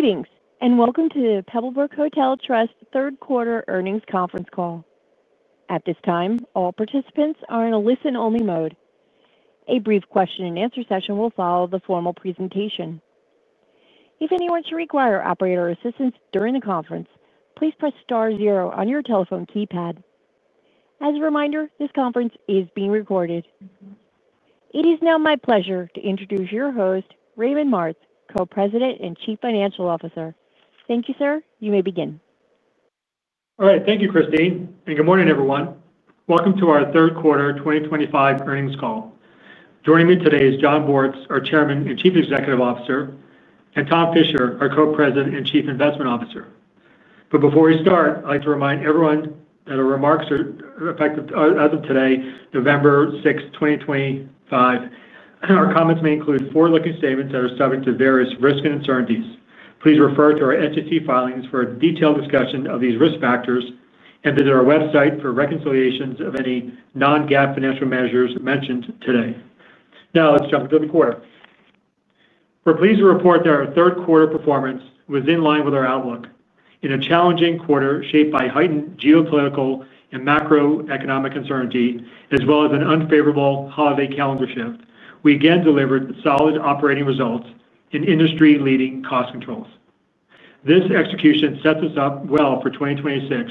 Greetings and welcome to the Pebblebrook Hotel Trust third-quarter earnings conference call. At this time, all participants are in a listen-only mode. A brief question-and-answer session will follow the formal presentation. If anyone should require operator assistance during the conference, please press star zero on your telephone keypad. As a reminder, this conference is being recorded. It is now my pleasure to introduce your host, Raymond Martz, Co-President and Chief Financial Officer. Thank you, sir. You may begin. All right. Thank you, Christine. Good morning, everyone. Welcome to our third-quarter 2025 earnings call. Joining me today is Jon Bortz, our Chairman and Chief Executive Officer, and Tom Fisher, our Co-President and Chief Investment Officer. Before we start, I'd like to remind everyone that our remarks are effective as of today, November 6, 2025. Our comments may include forward-looking statements that are subject to various risks and uncertainties. Please refer to our entity filings for a detailed discussion of these risk factors and visit our website for reconciliations of any non-GAAP financial measures mentioned today. Now, let's jump into the quarter. We're pleased to report that our third-quarter performance was in line with our outlook. In a challenging quarter shaped by heightened geopolitical and macroeconomic uncertainty, as well as an unfavorable holiday calendar shift, we again delivered solid operating results and industry-leading cost controls. This execution sets us up well for 2026,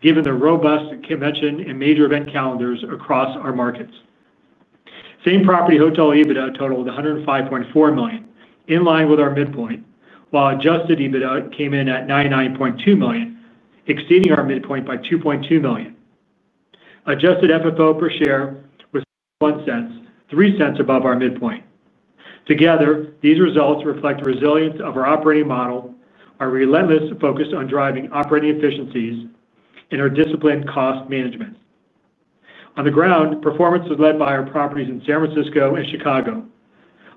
given the robust convention and major event calendars across our markets. Same property hotel EBITDA totaled $105.4 million, in line with our midpoint, while adjusted EBITDA came in at $99.2 million, exceeding our midpoint by $2.2 million. Adjusted FFO per share was $0.01, $0.03 above our midpoint. Together, these results reflect the resilience of our operating model, our relentless focus on driving operating efficiencies, and our disciplined cost management. On the ground, performance was led by our properties in San Francisco and Chicago,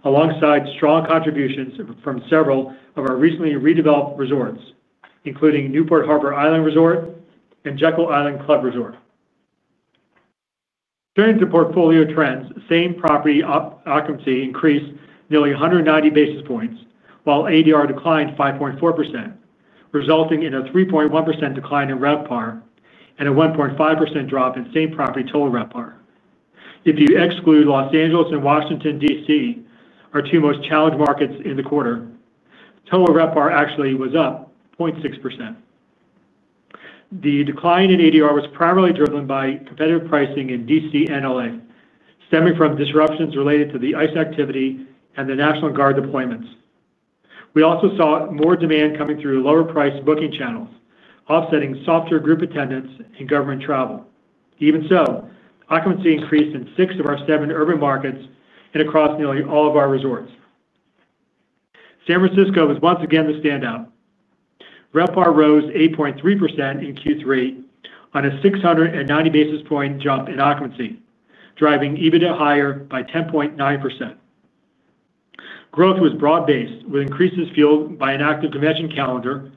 alongside strong contributions from several of our recently redeveloped resorts, including Newport Harbor Island Resort and Jekyll Island Club Resort. Turning to portfolio trends, same property occupancy increased nearly 190 basis points, while ADR declined 5.4%, resulting in a 3.1% decline in RevPAR and a 1.5% drop in same property total RevPAR. If you exclude Los Angeles and Washington, D.C., our two most challenged markets in the quarter, total RevPAR actually was up 0.6%. The decline in ADR was primarily driven by competitive pricing in D.C. and L.A., stemming from disruptions related to the ICE activity and the National Guard deployments. We also saw more demand coming through lower-priced booking channels, offsetting softer group attendance and government travel. Even so, occupancy increased in six of our seven urban markets and across nearly all of our resorts. San Francisco was once again the standout. RevPAR rose 8.3% in Q3 on a 690 basis point jump in occupancy, driving EBITDA higher by 10.9%. Growth was broad-based, with increases fueled by an active convention calendar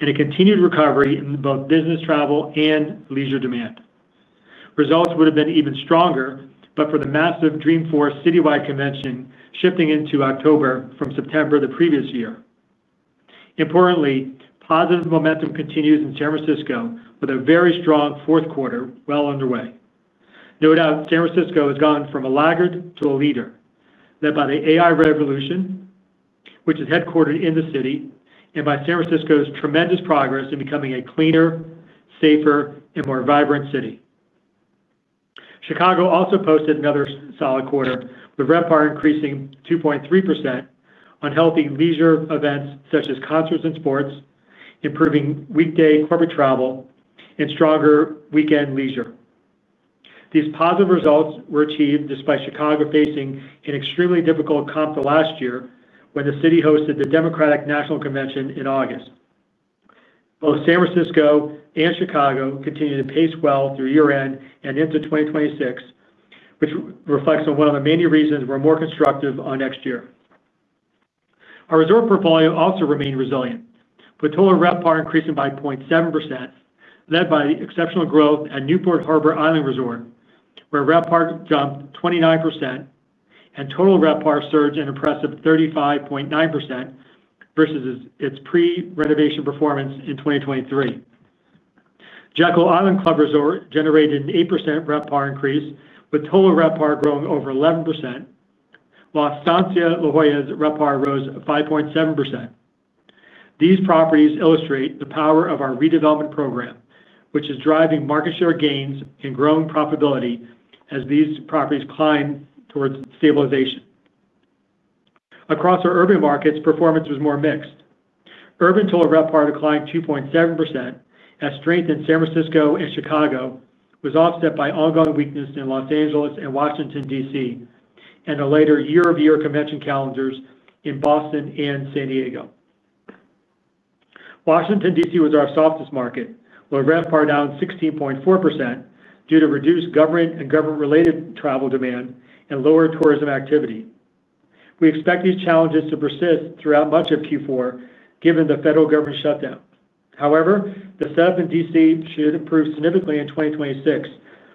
and a continued recovery in both business travel and leisure demand. Results would have been even stronger, but for the massive Dreamforce citywide convention shifting into October from September the previous year. Importantly, positive momentum continues in San Francisco, with a very strong fourth quarter well underway. No doubt, San Francisco has gone from a laggard to a leader led by the AI revolution, which is headquartered in the city, and by San Francisco's tremendous progress in becoming a cleaner, safer, and more vibrant city. Chicago also posted another solid quarter, with RevPAR increasing 2.3% on healthy leisure events such as concerts and sports, improving weekday corporate travel, and stronger weekend leisure. These positive results were achieved despite Chicago facing an extremely difficult comp last year when the city hosted the Democratic National Convention in August. Both San Francisco and Chicago continue to pace well through year-end and into 2026, which reflects on one of the main reasons we're more constructive on next year. Our resort portfolio also remained resilient, with total RevPAR increasing by 0.7%, led by the exceptional growth at Newport Harbor Island Resort, where RevPAR jumped 29%. Total RevPAR surged an impressive 35.9% versus its pre-renovation performance in 2023. Jekyll Island Club Resort generated an 8% RevPAR increase, with total RevPAR growing over 11%, while Estancia La Jolla's RevPAR rose 5.7%. These properties illustrate the power of our redevelopment program, which is driving market share gains and growing profitability as these properties climb towards stabilization. Across our urban markets, performance was more mixed. Urban total RevPAR declined 2.7%, as strength in San Francisco and Chicago was offset by ongoing weakness in Los Angeles and Washington, D.C., and the later year-over-year convention calendars in Boston and San Diego. Washington, D.C. was our softest market, with RevPAR down 16.4% due to reduced government and government-related travel demand and lower tourism activity. We expect these challenges to persist throughout much of Q4, given the federal government shutdown. However, the setup in D.C. should improve significantly in 2026,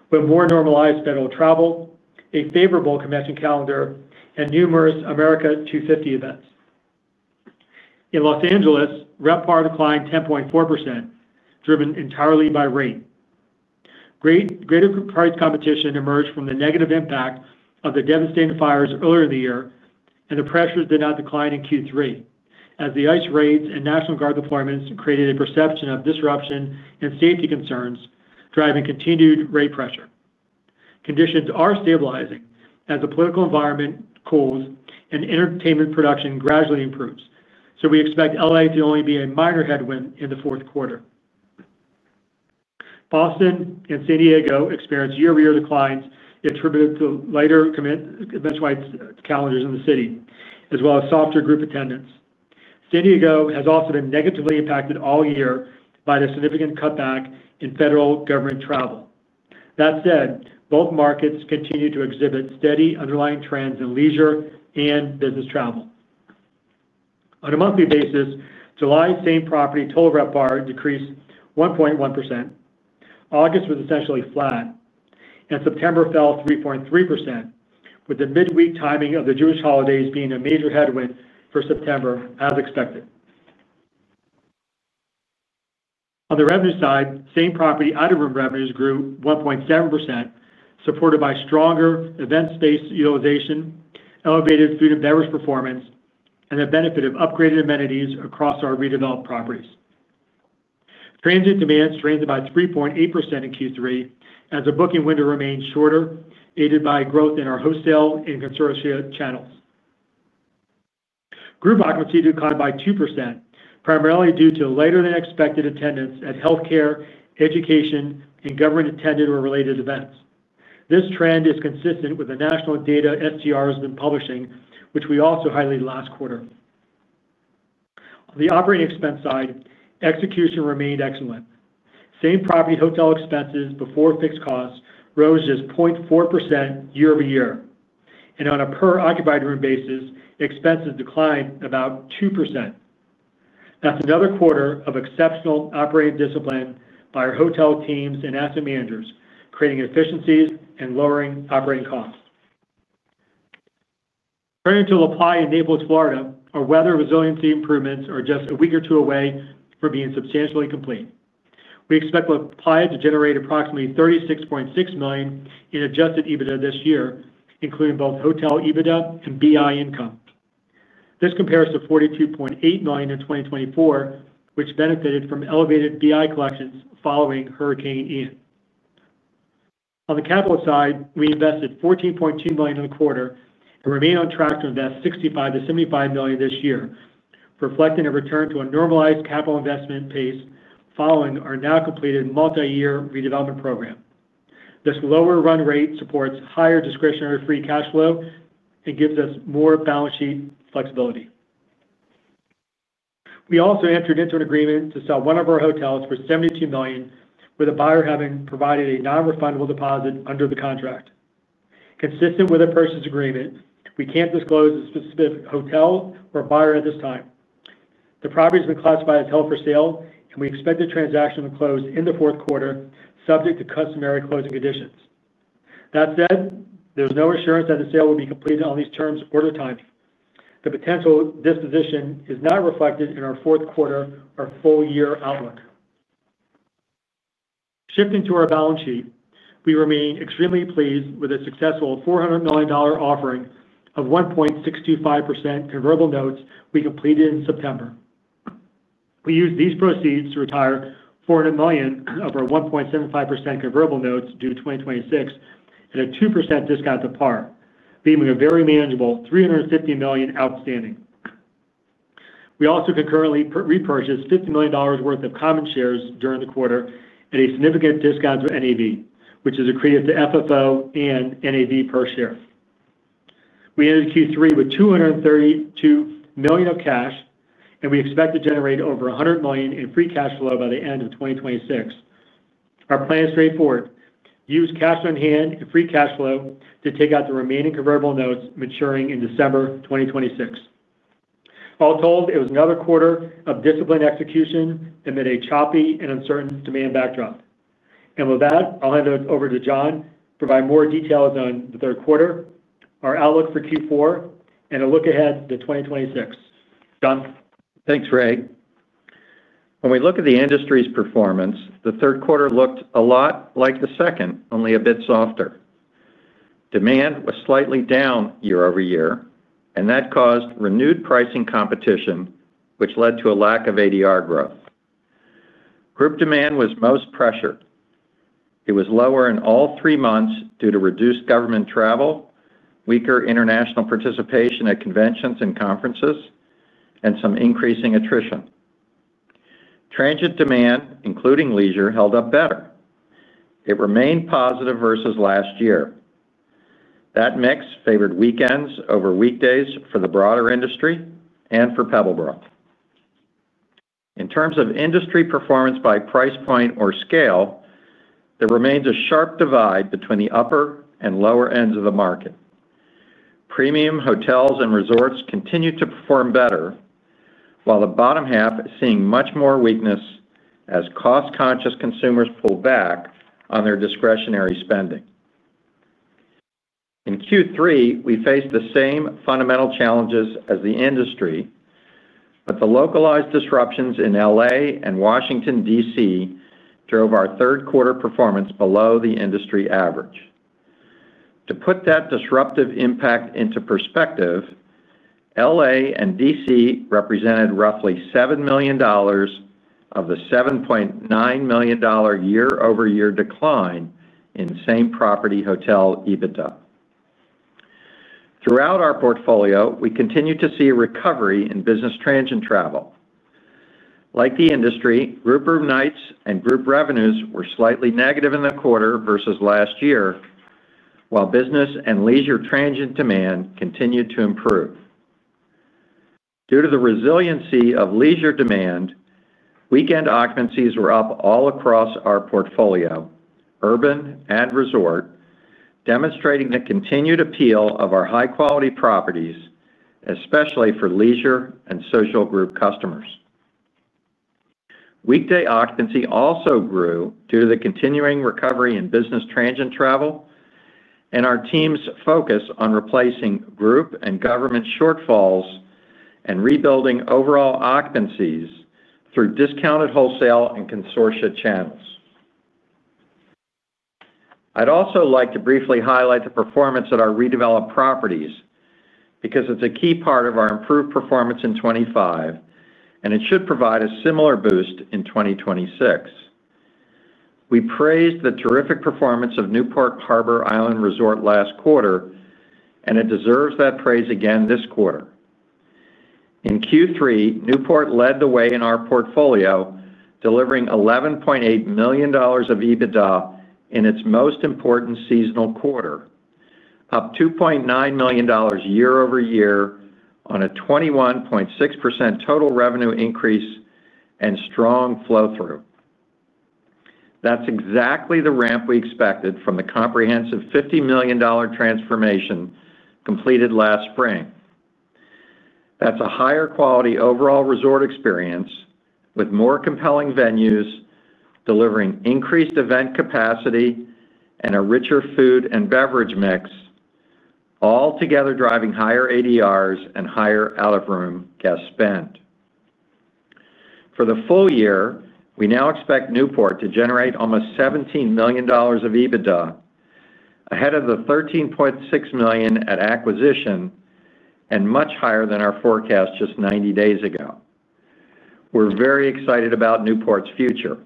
with more normalized federal travel, a favorable convention calendar, and numerous America 250 events. In Los Angeles, RevPAR declined 10.4%, driven entirely by rain. Greater price competition emerged from the negative impact of the devastating fires earlier in the year, and the pressures did not decline in Q3, as the ICE raids and National Guard deployments created a perception of disruption and safety concerns, driving continued rate pressure. Conditions are stabilizing as the political environment cools and entertainment production gradually improves, so we expect L.A. to only be a minor headwind in the fourth quarter. Boston and San Diego experienced year-over-year declines attributed to lighter convention-wide calendars in the city, as well as softer group attendance. San Diego has also been negatively impacted all year by the significant cutback in federal government travel. That said, both markets continue to exhibit steady underlying trends in leisure and business travel. On a monthly basis, July same property total RevPAR decreased 1.1%. August was essentially flat, and September fell 3.3%, with the midweek timing of the Jewish holidays being a major headwind for September, as expected. On the revenue side, same property out-of-room revenues grew 1.7%, supported by stronger event space utilization, elevated food and beverage performance, and the benefit of upgraded amenities across our redeveloped properties. Transit demand strained by 3.8% in Q3, as the booking window remained shorter, aided by growth in our wholesale and consortia channels. Group occupancy declined by 2%, primarily due to lighter-than-expected attendance at healthcare, education, and government-attended or related events. This trend is consistent with the national data STR has been publishing, which we also highlighted last quarter. On the operating expense side, execution remained excellent. Same property hotel expenses before fixed costs rose just 0.4% year-over-year, and on a per-occupied room basis, expenses declined about 2%. That's another quarter of exceptional operating discipline by our hotel teams and asset managers, creating efficiencies and lowering operating costs. Turning to LaPlaya and Naples, Florida, our weather resiliency improvements are just a week or two away from being substantially complete. We expect LaPlaya to generate approximately $36.6 million in adjusted EBITDA this year, including both hotel EBITDA and BI income. This compares to $42.8 million in 2024, which benefited from elevated BI collections following Hurricane Ian. On the capital side, we invested $14.2 million in the quarter and remain on track to invest $65 million-$75 million this year, reflecting a return to a normalized capital investment pace following our now-completed multi-year redevelopment program. This lower run rate supports higher discretionary free cash flow and gives us more balance sheet flexibility. We also entered into an agreement to sell one of our hotels for $72 million, with the buyer having provided a non-refundable deposit under the contract. Consistent with the purchase agreement, we can't disclose the specific hotel or buyer at this time. The property has been classified as held for sale, and we expect the transaction to close in the fourth quarter, subject to customary closing conditions. That said, there is no assurance that the sale will be completed on these terms or the time. The potential disposition is not reflected in our fourth quarter or full-year outlook. Shifting to our balance sheet, we remain extremely pleased with a successful $400 million offering of 1.65% convertible notes we completed in September. We used these proceeds to retire $400 million of our 1.75% convertible notes due in 2026 at a 2% discount to par, leaving a very manageable $350 million outstanding. We also concurrently repurchased $50 million worth of common shares during the quarter at a significant discount to NAV, which is accretive to FFO and NAV per share. We entered Q3 with $232 million of cash, and we expect to generate over $100 million in free cash flow by the end of 2026. Our plan is straightforward: use cash on hand and free cash flow to take out the remaining convertible notes maturing in December 2026. All told, it was another quarter of disciplined execution amid a choppy and uncertain demand backdrop. With that, I'll hand it over to Jon to provide more details on the third quarter, our outlook for Q4, and a look ahead to 2026. Jon. Thanks, Ray. When we look at the industry's performance, the third quarter looked a lot like the second, only a bit softer. Demand was slightly down year-over-year, and that caused renewed pricing competition, which led to a lack of ADR growth. Group demand was most pressured. It was lower in all three months due to reduced government travel, weaker international participation at conventions and conferences, and some increasing attrition. Transit demand, including leisure, held up better. It remained positive versus last year. That mix favored weekends over weekdays for the broader industry and for Pebblebrook. In terms of industry performance by price point or scale, there remains a sharp divide between the upper and lower ends of the market. Premium hotels and resorts continue to perform better, while the bottom half is seeing much more weakness as cost-conscious consumers pull back on their discretionary spending. In Q3, we faced the same fundamental challenges as the industry, but the localized disruptions in L.A. and Washington, D.C., drove our third-quarter performance below the industry average. To put that disruptive impact into perspective, L.A. and D.C. represented roughly $7 million of the $7.9 million year-over-year decline in same property hotel EBITDA. Throughout our portfolio, we continue to see a recovery in business transit travel. Like the industry, group room nights and group revenues were slightly negative in the quarter versus last year, while business and leisure transit demand continued to improve. Due to the resiliency of leisure demand, weekend occupancies were up all across our portfolio, urban and resort, demonstrating the continued appeal of our high-quality properties, especially for leisure and social group customers. Weekday occupancy also grew due to the continuing recovery in business transit travel and our team's focus on replacing group and government shortfalls and rebuilding overall occupancies through discounted wholesale and consortia channels. I'd also like to briefly highlight the performance at our redeveloped properties because it's a key part of our improved performance in 2025, and it should provide a similar boost in 2026. We praised the terrific performance of Newport Harbor Island Resort last quarter, and it deserves that praise again this quarter. In Q3, Newport led the way in our portfolio, delivering $11.8 million of EBITDA in its most important seasonal quarter, up $2.9 million year-over-year on a 21.6% total revenue increase and strong flow-through. That's exactly the ramp we expected from the comprehensive $50 million transformation completed last spring. That's a higher-quality overall resort experience with more compelling venues, delivering increased event capacity, and a richer food and beverage mix, all together driving higher ADRs and higher out-of-room guest spend. For the full year, we now expect Newport to generate almost $17 million of EBITDA. Ahead of the $13.6 million at acquisition. Much higher than our forecast just 90 days ago. We're very excited about Newport's future.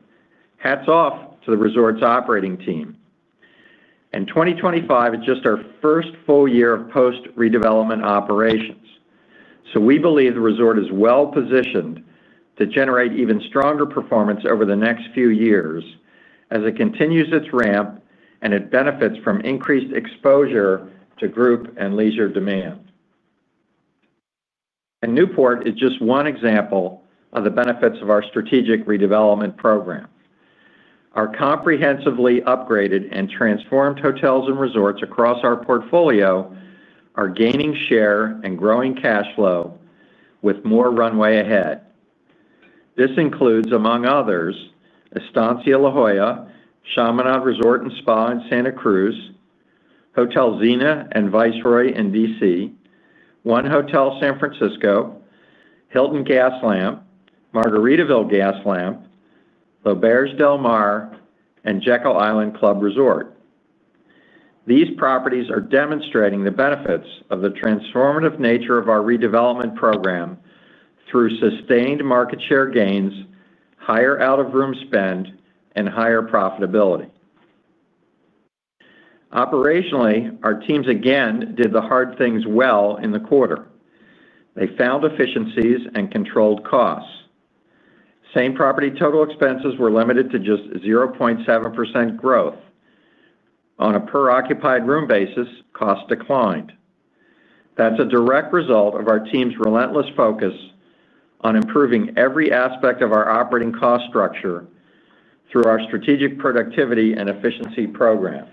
Hats off to the resort's operating team. 2025 is just our first full year of post-redevelopment operations. We believe the resort is well-positioned to generate even stronger performance over the next few years as it continues its ramp and it benefits from increased exposure to group and leisure demand. Newport is just one example of the benefits of our strategic redevelopment program. Our comprehensively upgraded and transformed hotels and resorts across our portfolio are gaining share and growing cash flow with more runway ahead. This includes, among others, Estancia La Jolla, Chaminade Resort & Spa in Santa Cruz, Hotel Zena and Viceroy in D.C., One Hotel San Francisco, Hilton Gaslamp, Margaritaville Gaslamp, L'Auberge Del Mar, and Jekyll Island Club Resort. These properties are demonstrating the benefits of the transformative nature of our redevelopment program through sustained market share gains, higher out-of-room spend, and higher profitability. Operationally, our teams again did the hard things well in the quarter. They found efficiencies and controlled costs. Same property total expenses were limited to just 0.7% growth. On a per-occupied room basis, costs declined. That's a direct result of our team's relentless focus on improving every aspect of our operating cost structure through our strategic productivity and efficiency program.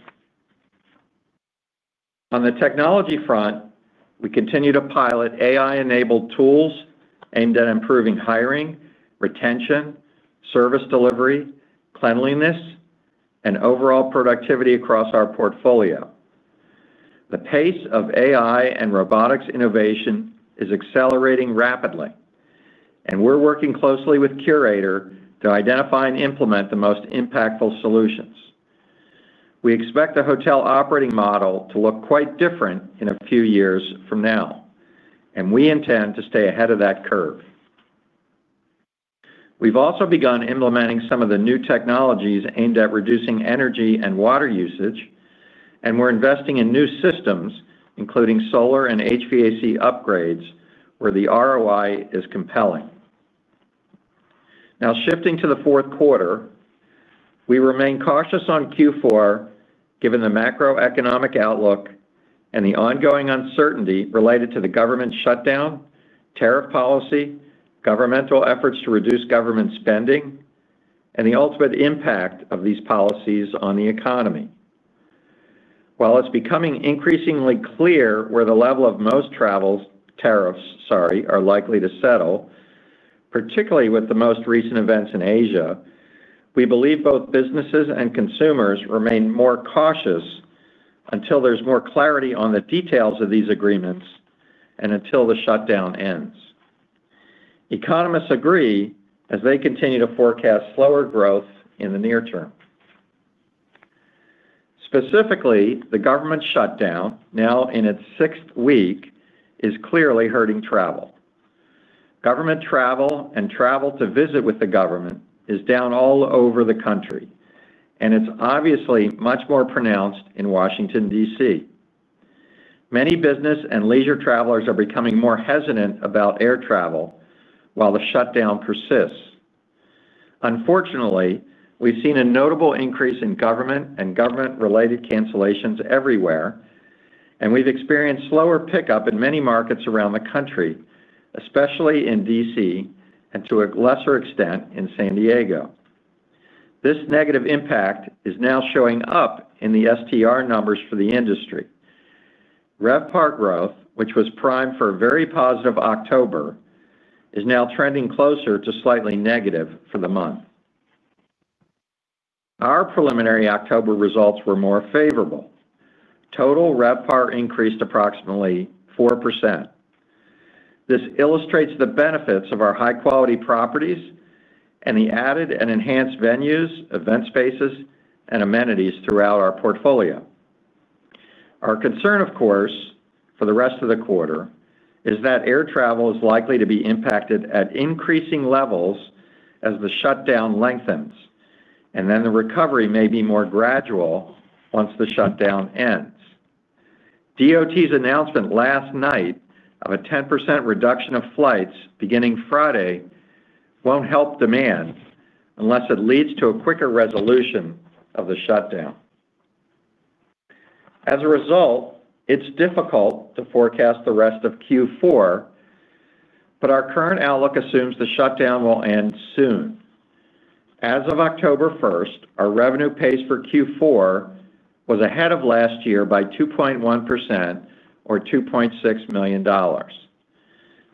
On the technology front, we continue to pilot AI-enabled tools aimed at improving hiring, retention, service delivery, cleanliness, and overall productivity across our portfolio. The pace of AI and robotics innovation is accelerating rapidly. We are working closely with Curator to identify and implement the most impactful solutions. We expect the hotel operating model to look quite different in a few years from now. We intend to stay ahead of that curve. We've also begun implementing some of the new technologies aimed at reducing energy and water usage, and we're investing in new systems, including solar and HVAC upgrades, where the ROI is compelling. Now, shifting to the fourth quarter, we remain cautious on Q4 given the macroeconomic outlook and the ongoing uncertainty related to the government shutdown, tariff policy, governmental efforts to reduce government spending, and the ultimate impact of these policies on the economy. While it's becoming increasingly clear where the level of most tariffs are likely to settle, particularly with the most recent events in Asia, we believe both businesses and consumers remain more cautious until there's more clarity on the details of these agreements and until the shutdown ends. Economists agree as they continue to forecast slower growth in the near term. Specifically, the government shutdown, now in its sixth week, is clearly hurting travel. Government travel and travel to visit with the government is down all over the country, and it's obviously much more pronounced in Washington, D.C. Many business and leisure travelers are becoming more hesitant about air travel while the shutdown persists. Unfortunately, we've seen a notable increase in government and government-related cancellations everywhere, and we've experienced slower pickup in many markets around the country, especially in D.C. and to a lesser extent in San Diego. This negative impact is now showing up in the STR numbers for the industry. RevPAR growth, which was primed for a very positive October, is now trending closer to slightly negative for the month. Our preliminary October results were more favorable. Total RevPAR increased approximately 4%. This illustrates the benefits of our high-quality properties and the added and enhanced venues, event spaces, and amenities throughout our portfolio. Our concern, of course, for the rest of the quarter is that air travel is likely to be impacted at increasing levels as the shutdown lengthens, and then the recovery may be more gradual once the shutdown ends. DOT's announcement last night of a 10% reduction of flights beginning Friday will not help demand unless it leads to a quicker resolution of the shutdown. As a result, it is difficult to forecast the rest of Q4. Our current outlook assumes the shutdown will end soon. As of October 1st, our revenue pace for Q4 was ahead of last year by 2.1% or $2.6 million.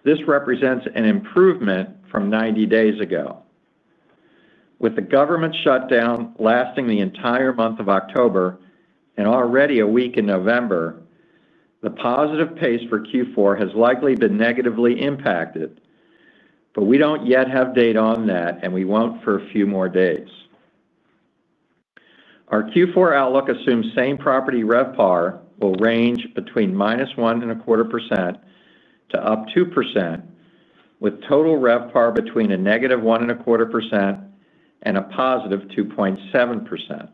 This represents an improvement from 90 days ago, with the government shutdown lasting the entire month of October and already a week in November. The positive pace for Q4 has likely been negatively impacted. We do not yet have data on that, and we will not for a few more days. Our Q4 outlook assumes same property RevPAR will range between -1.25% to up 2%. With total RevPAR between -1.25% and +2.7%.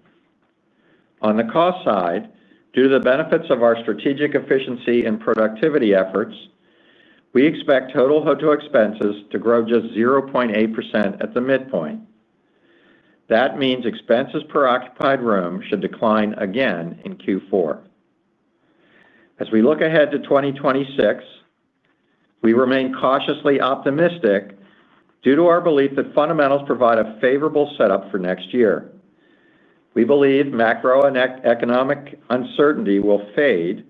On the cost side, due to the benefits of our strategic efficiency and productivity efforts, we expect total hotel expenses to grow just 0.8% at the midpoint. That means expenses per occupied room should decline again in Q4. As we look ahead to 2026, we remain cautiously optimistic due to our belief that fundamentals provide a favorable setup for next year. We believe macroeconomic uncertainty will fade.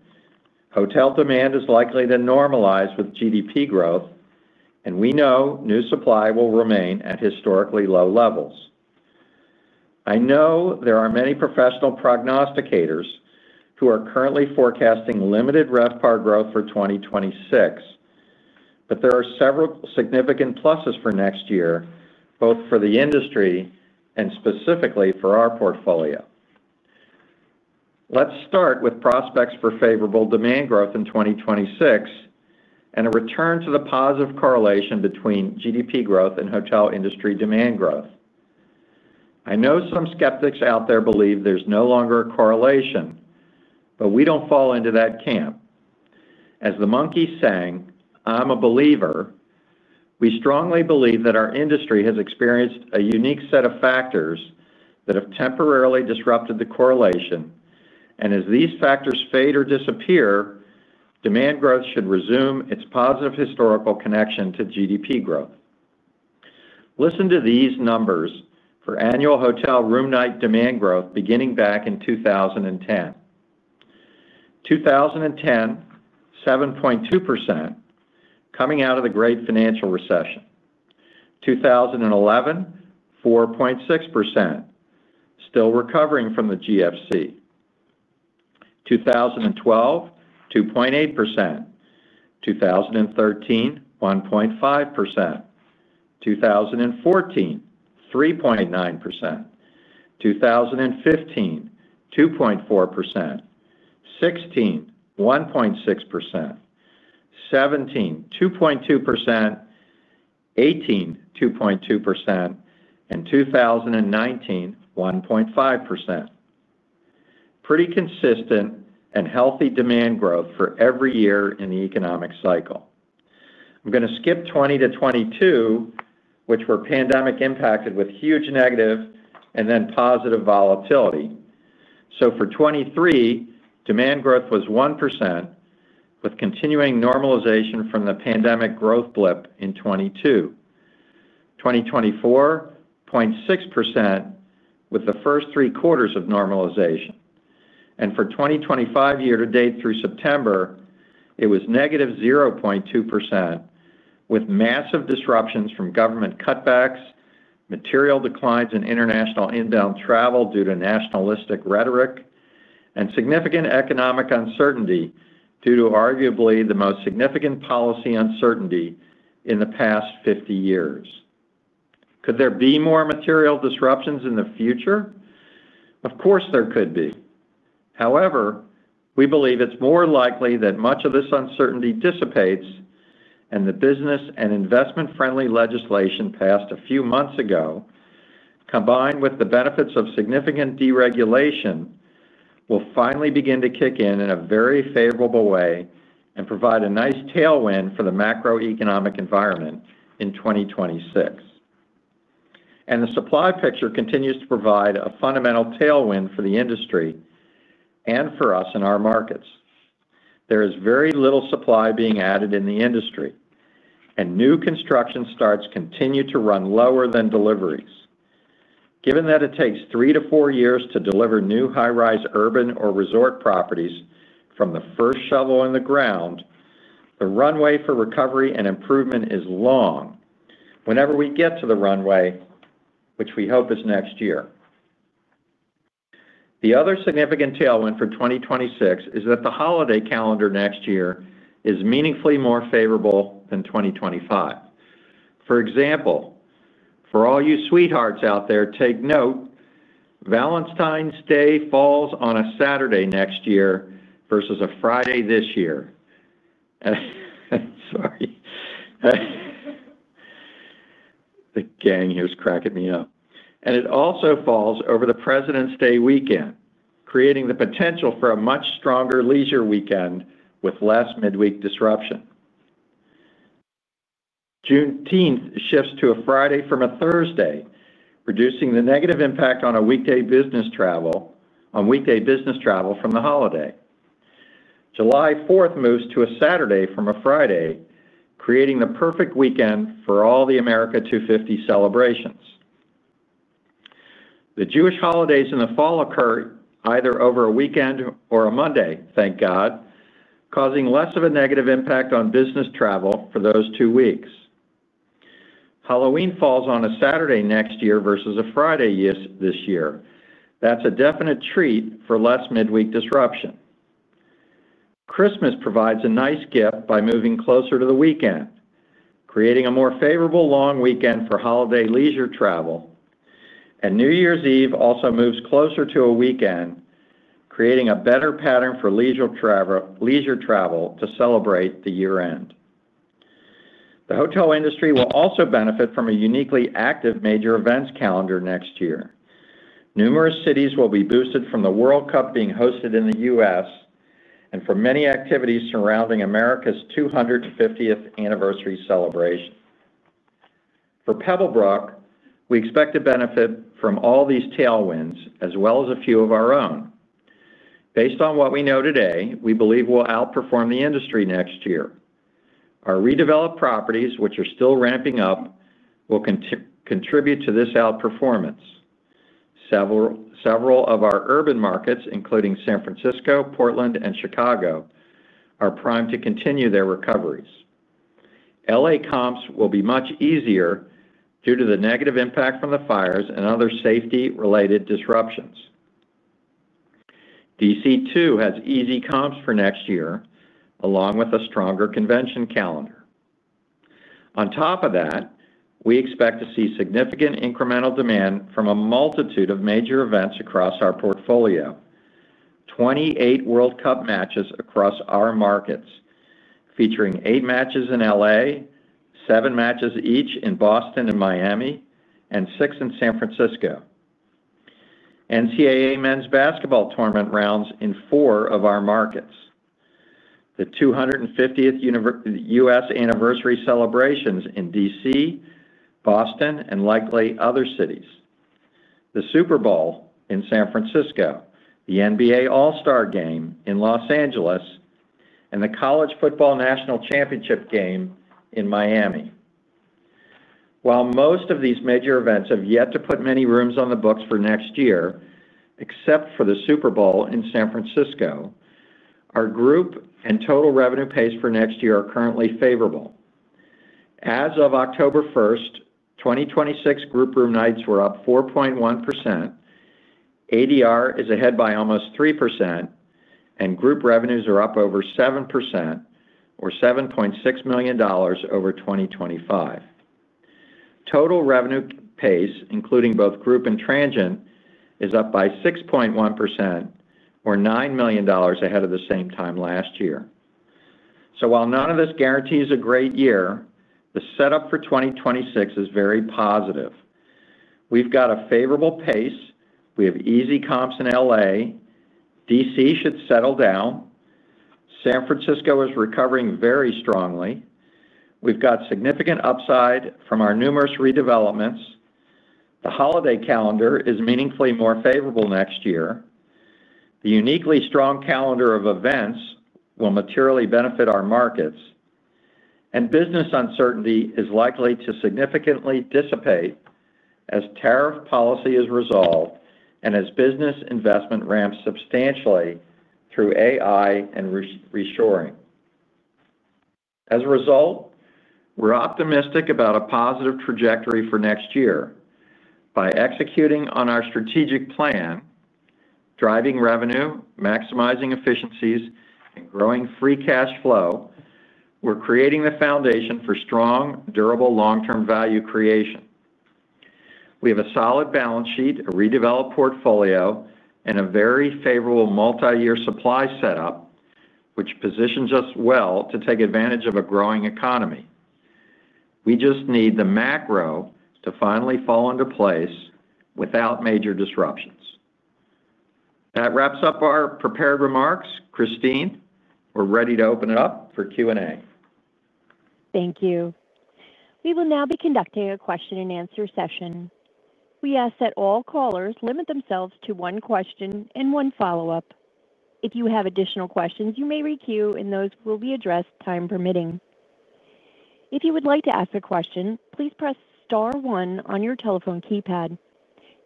Hotel demand is likely to normalize with GDP growth, and we know new supply will remain at historically low levels. I know there are many professional prognosticators who are currently forecasting limited RevPAR growth for 2026. There are several significant pluses for next year, both for the industry and specifically for our portfolio. Let's start with prospects for favorable demand growth in 2026. A return to the positive correlation between GDP growth and hotel industry demand growth. I know some skeptics out there believe there's no longer a correlation, but we don't fall into that camp. As the Monkees sang, "I'm a Believer," we strongly believe that our industry has experienced a unique set of factors that have temporarily disrupted the correlation. As these factors fade or disappear, demand growth should resume its positive historical connection to GDP growth. Listen to these numbers for annual hotel room night demand growth beginning back in 2010. 2010, 7.2%. Coming out of the Great Financial Recession. 2011, 4.6%. Still recovering from the GFC. 2012, 2.8%. 2013, 1.5%. 2014, 3.9%. 2015, 2.4%. 2016, 1.6%. 2017, 2.2%. 2018, 2.2%. 2019, 1.5%. Pretty consistent and healthy demand growth for every year in the economic cycle. I'm going to skip 2020 to 2022, which were pandemic impacted with huge negative and then positive volatility. For 2023, demand growth was 1%. With continuing normalization from the pandemic growth blip in 2022. 2024, 0.6% with the first three quarters of normalization. For 2025 year-to-date through September, it was -0.2%. With massive disruptions from government cutbacks, material declines, and international inbound travel due to nationalistic rhetoric, and significant economic uncertainty due to arguably the most significant policy uncertainty in the past 50 years. Could there be more material disruptions in the future? Of course, there could be. However, we believe it's more likely that much of this uncertainty dissipates and the business and investment-friendly legislation passed a few months ago, combined with the benefits of significant deregulation, will finally begin to kick in in a very favorable way and provide a nice tailwind for the macroeconomic environment in 2026. The supply picture continues to provide a fundamental tailwind for the industry and for us in our markets. There is very little supply being added in the industry, and new construction starts continue to run lower than deliveries. Given that it takes three to four years to deliver new high-rise urban or resort properties from the first shovel in the ground, the runway for recovery and improvement is long. Whenever we get to the runway, which we hope is next year. The other significant tailwind for 2026 is that the holiday calendar next year is meaningfully more favorable than 2025. For example, for all you sweethearts out there, take note. Valentine's Day falls on a Saturday next year versus a Friday this year. Sorry. The gang here is cracking me up. It also falls over the President's Day weekend, creating the potential for a much stronger leisure weekend with less midweek disruption. Juneteenth shifts to a Friday from a Thursday, reducing the negative impact on weekday business travel from the holiday. July 4th moves to a Saturday from a Friday, creating the perfect weekend for all the America 250 celebrations. The Jewish holidays in the fall occur either over a weekend or a Monday, thank God, causing less of a negative impact on business travel for those two weeks. Halloween falls on a Saturday next year versus a Friday this year. That is a definite treat for less midweek disruption. Christmas provides a nice gift by moving closer to the weekend, creating a more favorable long weekend for holiday leisure travel. New Year's Eve also moves closer to a weekend, creating a better pattern for leisure travel to celebrate the year-end. The hotel industry will also benefit from a uniquely active major events calendar next year. Numerous cities will be boosted from the World Cup being hosted in the U.S. and from many activities surrounding America's 250th anniversary celebration. For Pebblebrook, we expect to benefit from all these tailwinds as well as a few of our own. Based on what we know today, we believe we will outperform the industry next year. Our redeveloped properties, which are still ramping up, will contribute to this outperformance. Several of our urban markets, including San Francisco, Portland, and Chicago, are primed to continue their recoveries. LA comps will be much easier due to the negative impact from the fires and other safety-related disruptions. D.C. too has easy comps for next year, along with a stronger convention calendar. On top of that, we expect to see significant incremental demand from a multitude of major events across our portfolio. 28 World Cup matches across our markets, featuring eight matches in LA, seven matches each in Boston and Miami, and six in San Francisco. NCAA Men's Basketball Tournament rounds in four of our markets. The 250th U.S. Anniversary celebrations in D.C., Boston, and likely other cities. The Super Bowl in San Francisco, the NBA All-Star game in Los Angeles, and the College Football National Championship game in Miami. While most of these major events have yet to put many rooms on the books for next year, except for the Super Bowl in San Francisco. Our group and total revenue pace for next year are currently favorable. As of October 1st, 2026 group room nights were up 4.1%. ADR is ahead by almost 3%. And group revenues are up over 7%, or $7.6 million over 2025. Total revenue pace, including both group and transient, is up by 6.1%, or $9 million ahead of the same time last year. While none of this guarantees a great year, the setup for 2026 is very positive. We've got a favorable pace. We have easy comps in LA. D.C. should settle down. San Francisco is recovering very strongly. We've got significant upside from our numerous redevelopments. The holiday calendar is meaningfully more favorable next year. The uniquely strong calendar of events will materially benefit our markets. Business uncertainty is likely to significantly dissipate as tariff policy is resolved and as business investment ramps substantially through AI and reshoring. As a result, we're optimistic about a positive trajectory for next year. By executing on our strategic plan, driving revenue, maximizing efficiencies, and growing free cash flow, we're creating the foundation for strong, durable long-term value creation. We have a solid balance sheet, a redeveloped portfolio, and a very favorable multi-year supply setup, which positions us well to take advantage of a growing economy. We just need the macro to finally fall into place without major disruptions. That wraps up our prepared remarks. Christine, we're ready to open it up for Q&A. Thank you. We will now be conducting a question-and-answer session. We ask that all callers limit themselves to one question and one follow-up. If you have additional questions, you may re-queue, and those will be addressed time permitting. If you would like to ask a question, please press star one on your telephone keypad.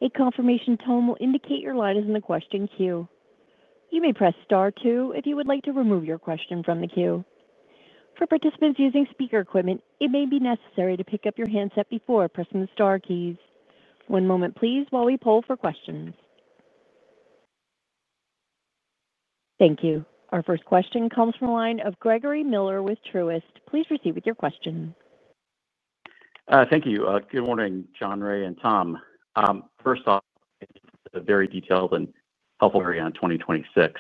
A confirmation tone will indicate your line is in the question queue. You may press star two if you would like to remove your question from the queue. For participants using speaker equipment, it may be necessary to pick up your handset before pressing the star keys. One moment, please, while we poll for questions. Thank you. Our first question comes from a line of Gregory Miller with Truist. Please proceed with your question. Thank you. Good morning, Jon, Ray, and Tom. First off, it's a very detailed and helpful area on 2026.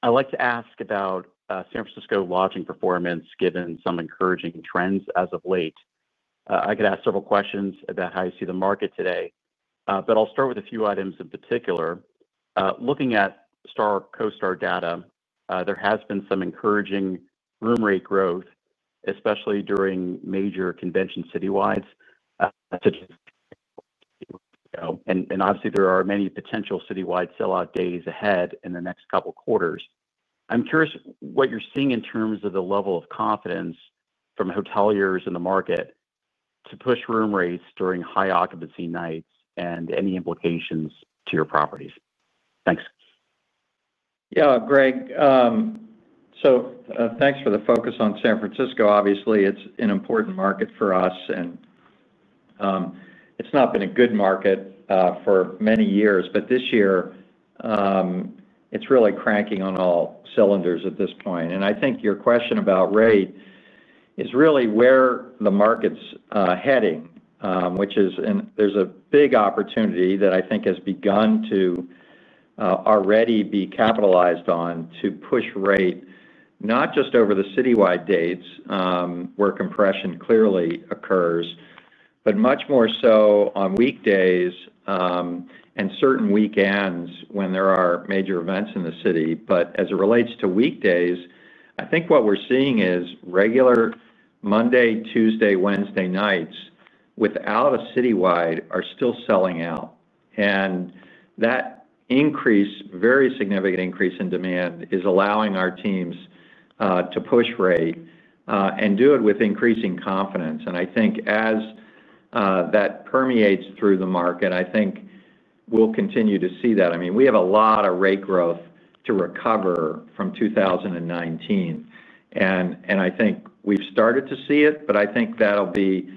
I'd like to ask about San Francisco lodging performance given some encouraging trends as of late. I could ask several questions about how you see the market today, but I'll start with a few items in particular. Looking at STR CoStar data, there has been some encouraging room rate growth, especially during major convention citywide. Obviously, there are many potential citywide sellout days ahead in the next couple of quarters. I'm curious what you're seeing in terms of the level of confidence from hoteliers in the market to push room rates during high-occupancy nights and any implications to your properties. Thanks. Yeah, Greg. Thanks for the focus on San Francisco. Obviously, it's an important market for us. It's not been a good market for many years, but this year it's really cranking on all cylinders at this point. I think your question about rate is really where the market's heading, which is there's a big opportunity that I think has begun to. Already be capitalized on to push rate, not just over the citywide dates, where compression clearly occurs, but much more so on weekdays and certain weekends when there are major events in the city. As it relates to weekdays, I think what we're seeing is regular Monday, Tuesday, Wednesday nights without a citywide are still selling out. That increase, very significant increase in demand, is allowing our teams to push rate and do it with increasing confidence. I think as that permeates through the market, I think we'll continue to see that. I mean, we have a lot of rate growth to recover from 2019, and I think we've started to see it, but I think that'll be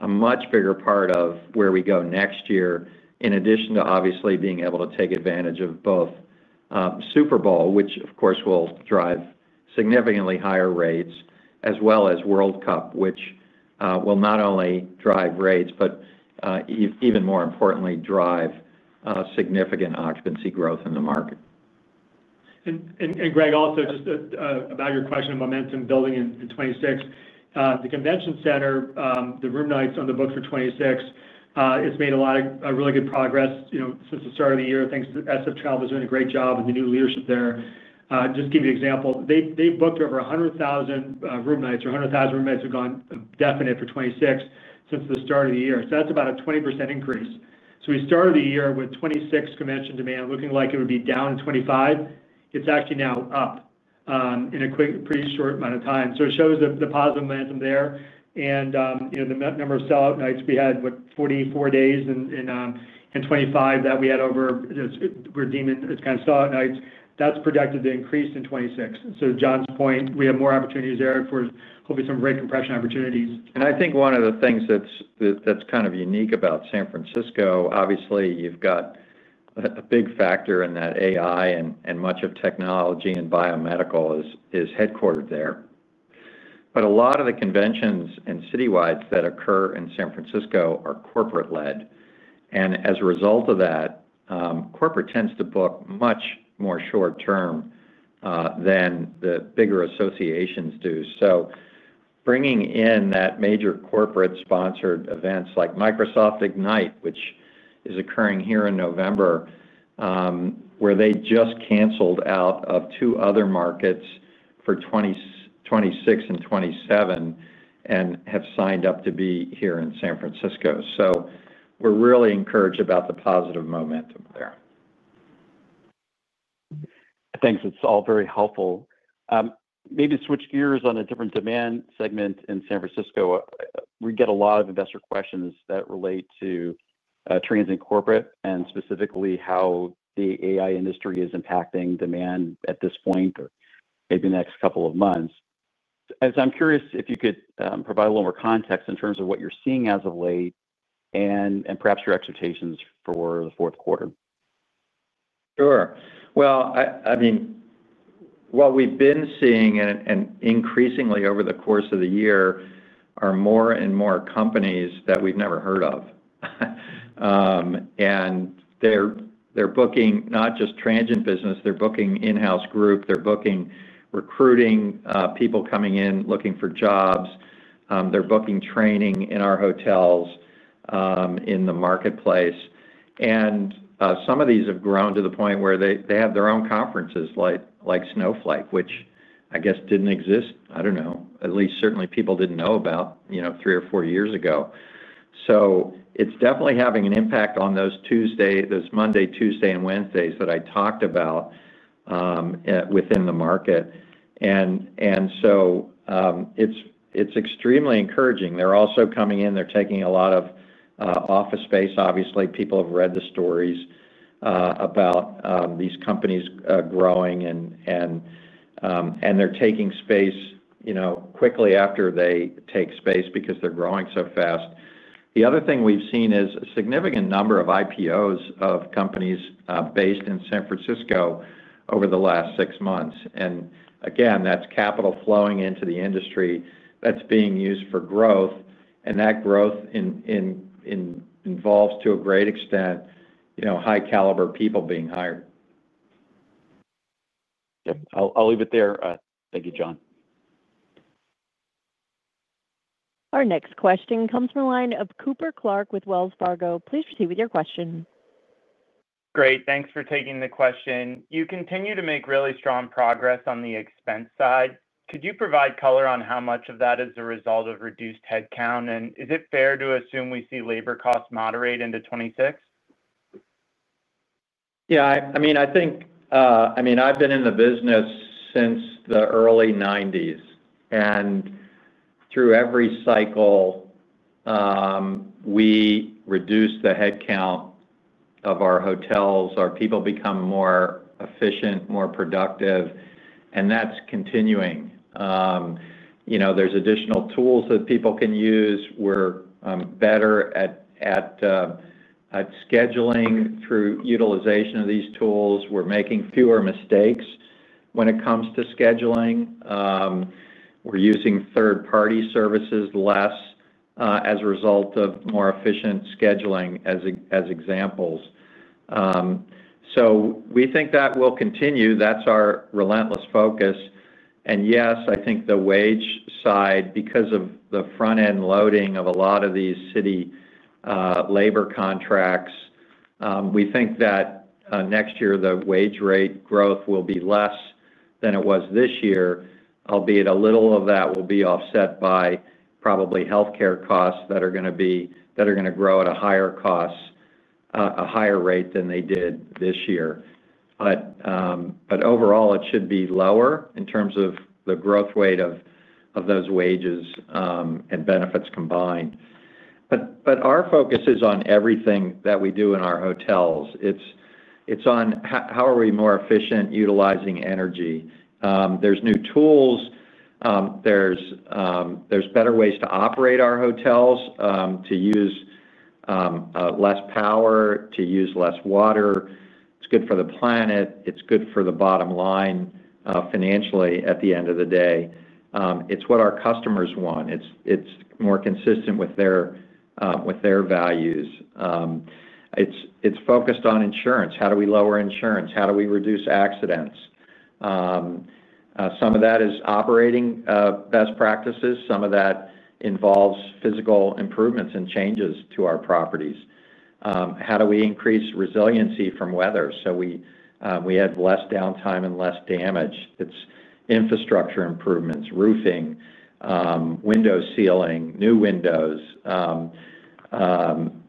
a much bigger part of where we go next year, in addition to obviously being able to take advantage of both. Super Bowl, which of course will drive significantly higher rates, as well as World Cup, which will not only drive rates, but, even more importantly, drive significant occupancy growth in the market. Greg, also just about your question of momentum building in 2026, the convention center, the room nights on the books for 2026, it has made a lot of really good progress since the start of the year. Thanks to SF Child, who is doing a great job and the new leadership there. Just to give you an example, they have booked over 100,000 room nights, or 100,000 room nights have gone definite for 2026 since the start of the year. That is about a 20% increase. We started the year with 2026 convention demand looking like it would be down to 25. It is actually now up in a pretty short amount of time. It shows the positive momentum there. The number of sellout nights we had, what, 44 days in 2025 that we had over. We are deeming as kind of sellout nights, that is projected to increase in 2026. To Jon's point, we have more opportunities there for hopefully some rate compression opportunities. I think one of the things that is kind of unique about San Francisco, obviously, you have got a big factor in that AI and much of technology and biomedical is headquartered there. A lot of the conventions and citywides that occur in San Francisco are corporate-led. As a result of that, corporate tends to book much more short-term than the bigger associations do. Bringing in that major corporate-sponsored events like Microsoft Ignite, which is occurring here in November, where they just canceled out of two other markets for 2026 and 2027. Have signed up to be here in San Francisco. We're really encouraged about the positive momentum there. Thanks. It's all very helpful. Maybe to switch gears on a different demand segment in San Francisco, we get a lot of investor questions that relate to transit and corporate, and specifically how the AI industry is impacting demand at this point or maybe the next couple of months. I'm curious if you could provide a little more context in terms of what you're seeing as of late and perhaps your expectations for the fourth quarter. Sure. What we've been seeing and increasingly over the course of the year are more and more companies that we've never heard of. They're booking not just transient business, they're booking in-house group, they're booking recruiting people coming in looking for jobs, they're booking training in our hotels. In the marketplace. Some of these have grown to the point where they have their own conferences like Snowflake, which I guess did not exist. I do not know. At least certainly people did not know about three or four years ago. It is definitely having an impact on those Monday, Tuesday, and Wednesdays that I talked about within the market. It is extremely encouraging. They are also coming in, they are taking a lot of office space. Obviously, people have read the stories about these companies growing, and they are taking space quickly after they take space because they are growing so fast. The other thing we have seen is a significant number of IPOs of companies based in San Francisco over the last six months. Again, that is capital flowing into the industry that is being used for growth. That growth involves to a great extent high-caliber people being hired. Okay. I'll leave it there. Thank you, Jon. Our next question comes from a line of Cooper Clark with Wells Fargo. Please proceed with your question. Great. Thanks for taking the question. You continue to make really strong progress on the expense side. Could you provide color on how much of that is the result of reduced headcount? And is it fair to assume we see labor costs moderate into 2026? Yeah. I mean, I think, I mean, I've been in the business since the early 1990s. And through every cycle, we reduce the headcount of our hotels. Our people become more efficient, more productive. And that's continuing. There's additional tools that people can use. We're better at scheduling through utilization of these tools. We're making fewer mistakes when it comes to scheduling. We're using third-party services less as a result of more efficient scheduling as examples. We think that will continue. That is our relentless focus. Yes, I think the wage side, because of the front-end loading of a lot of these city labor contracts, we think that next year the wage rate growth will be less than it was this year, albeit a little of that will be offset by probably healthcare costs that are going to grow at a higher rate than they did this year. Overall, it should be lower in terms of the growth rate of those wages and benefits combined. Our focus is on everything that we do in our hotels. It is on how are we more efficient utilizing energy. There are new tools. There are better ways to operate our hotels, to use less power, to use less water. It is good for the planet. It's good for the bottom line financially at the end of the day. It's what our customers want. It's more consistent with their values. It's focused on insurance. How do we lower insurance? How do we reduce accidents? Some of that is operating best practices. Some of that involves physical improvements and changes to our properties. How do we increase resiliency from weather so we have less downtime and less damage? It's infrastructure improvements, roofing, window sealing, new windows, sealants.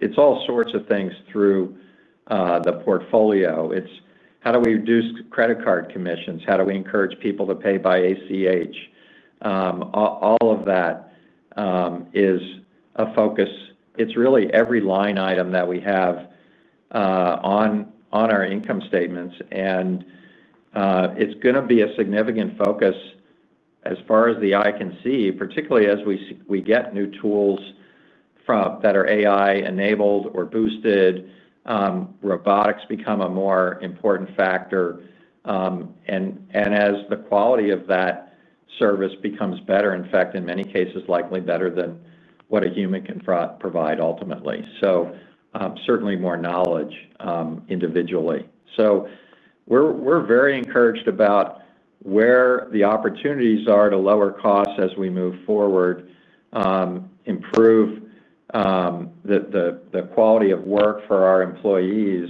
It's all sorts of things throughout the portfolio. It's how do we reduce credit card commissions? How do we encourage people to pay by ACH? All of that is a focus. It's really every line item that we have on our income statements. It's going to be a significant focus as far as the eye can see, particularly as we get new tools that are AI-enabled or boosted. Robotics become a more important factor. As the quality of that service becomes better, in fact, in many cases, likely better than what a human can provide ultimately. Certainly more knowledge individually. We are very encouraged about where the opportunities are to lower costs as we move forward, improve the quality of work for our employees,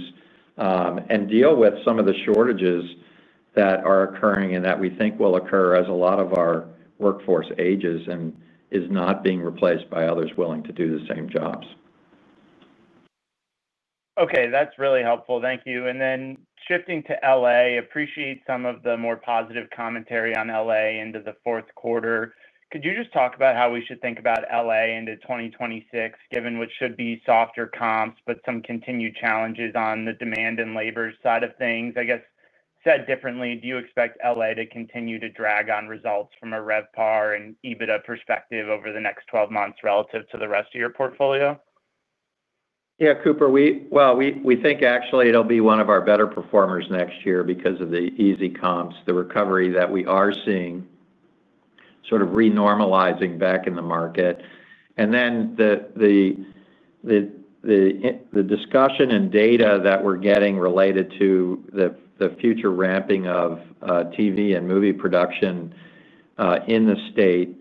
and deal with some of the shortages that are occurring and that we think will occur as a lot of our workforce ages and is not being replaced by others willing to do the same jobs. Okay. That is really helpful. Thank you. Then shifting to LA, appreciate some of the more positive commentary on LA into the fourth quarter. Could you just talk about how we should think about LA into 2026, given what should be softer comps but some continued challenges on the demand and labor side of things? I guess said differently, do you expect LA to continue to drag on results from a RevPAR and EBITDA perspective over the next 12 months relative to the rest of your portfolio? Yeah, Cooper. We think actually it'll be one of our better performers next year because of the easy comps, the recovery that we are seeing, sort of renormalizing back in the market. The discussion and data that we're getting related to the future ramping of TV and movie production in the state,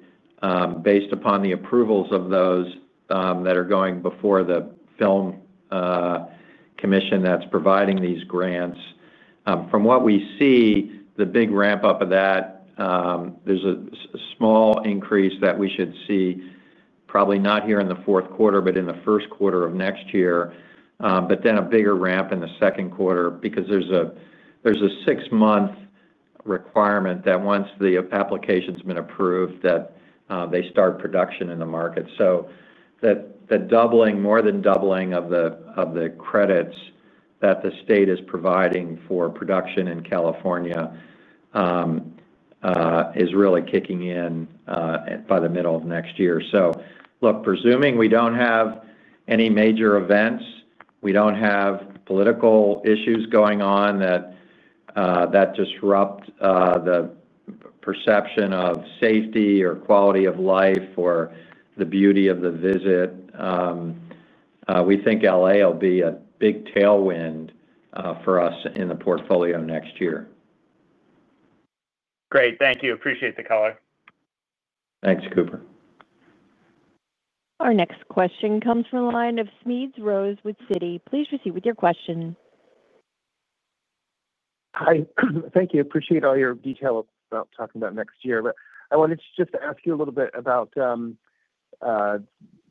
based upon the approvals of those that are going before the film commission that's providing these grants. From what we see, the big ramp up of that, there's a small increase that we should see, probably not here in the fourth quarter, but in the first quarter of next year, but then a bigger ramp in the second quarter because there's a six-month. Requirement that once the application's been approved, that they start production in the market. The doubling, more than doubling of the credits that the state is providing for production in California, is really kicking in by the middle of next year. Look, presuming we don't have any major events, we don't have political issues going on that disrupt the perception of safety or quality of life or the beauty of the visit, we think LA will be a big tailwind for us in the portfolio next year. Great. Thank you. Appreciate the color. Thanks, Cooper. Our next question comes from a line of Smedes Rose with Citi. Please proceed with your question. Hi. Thank you. Appreciate all your detail about talking about next year. I wanted to just ask you a little bit about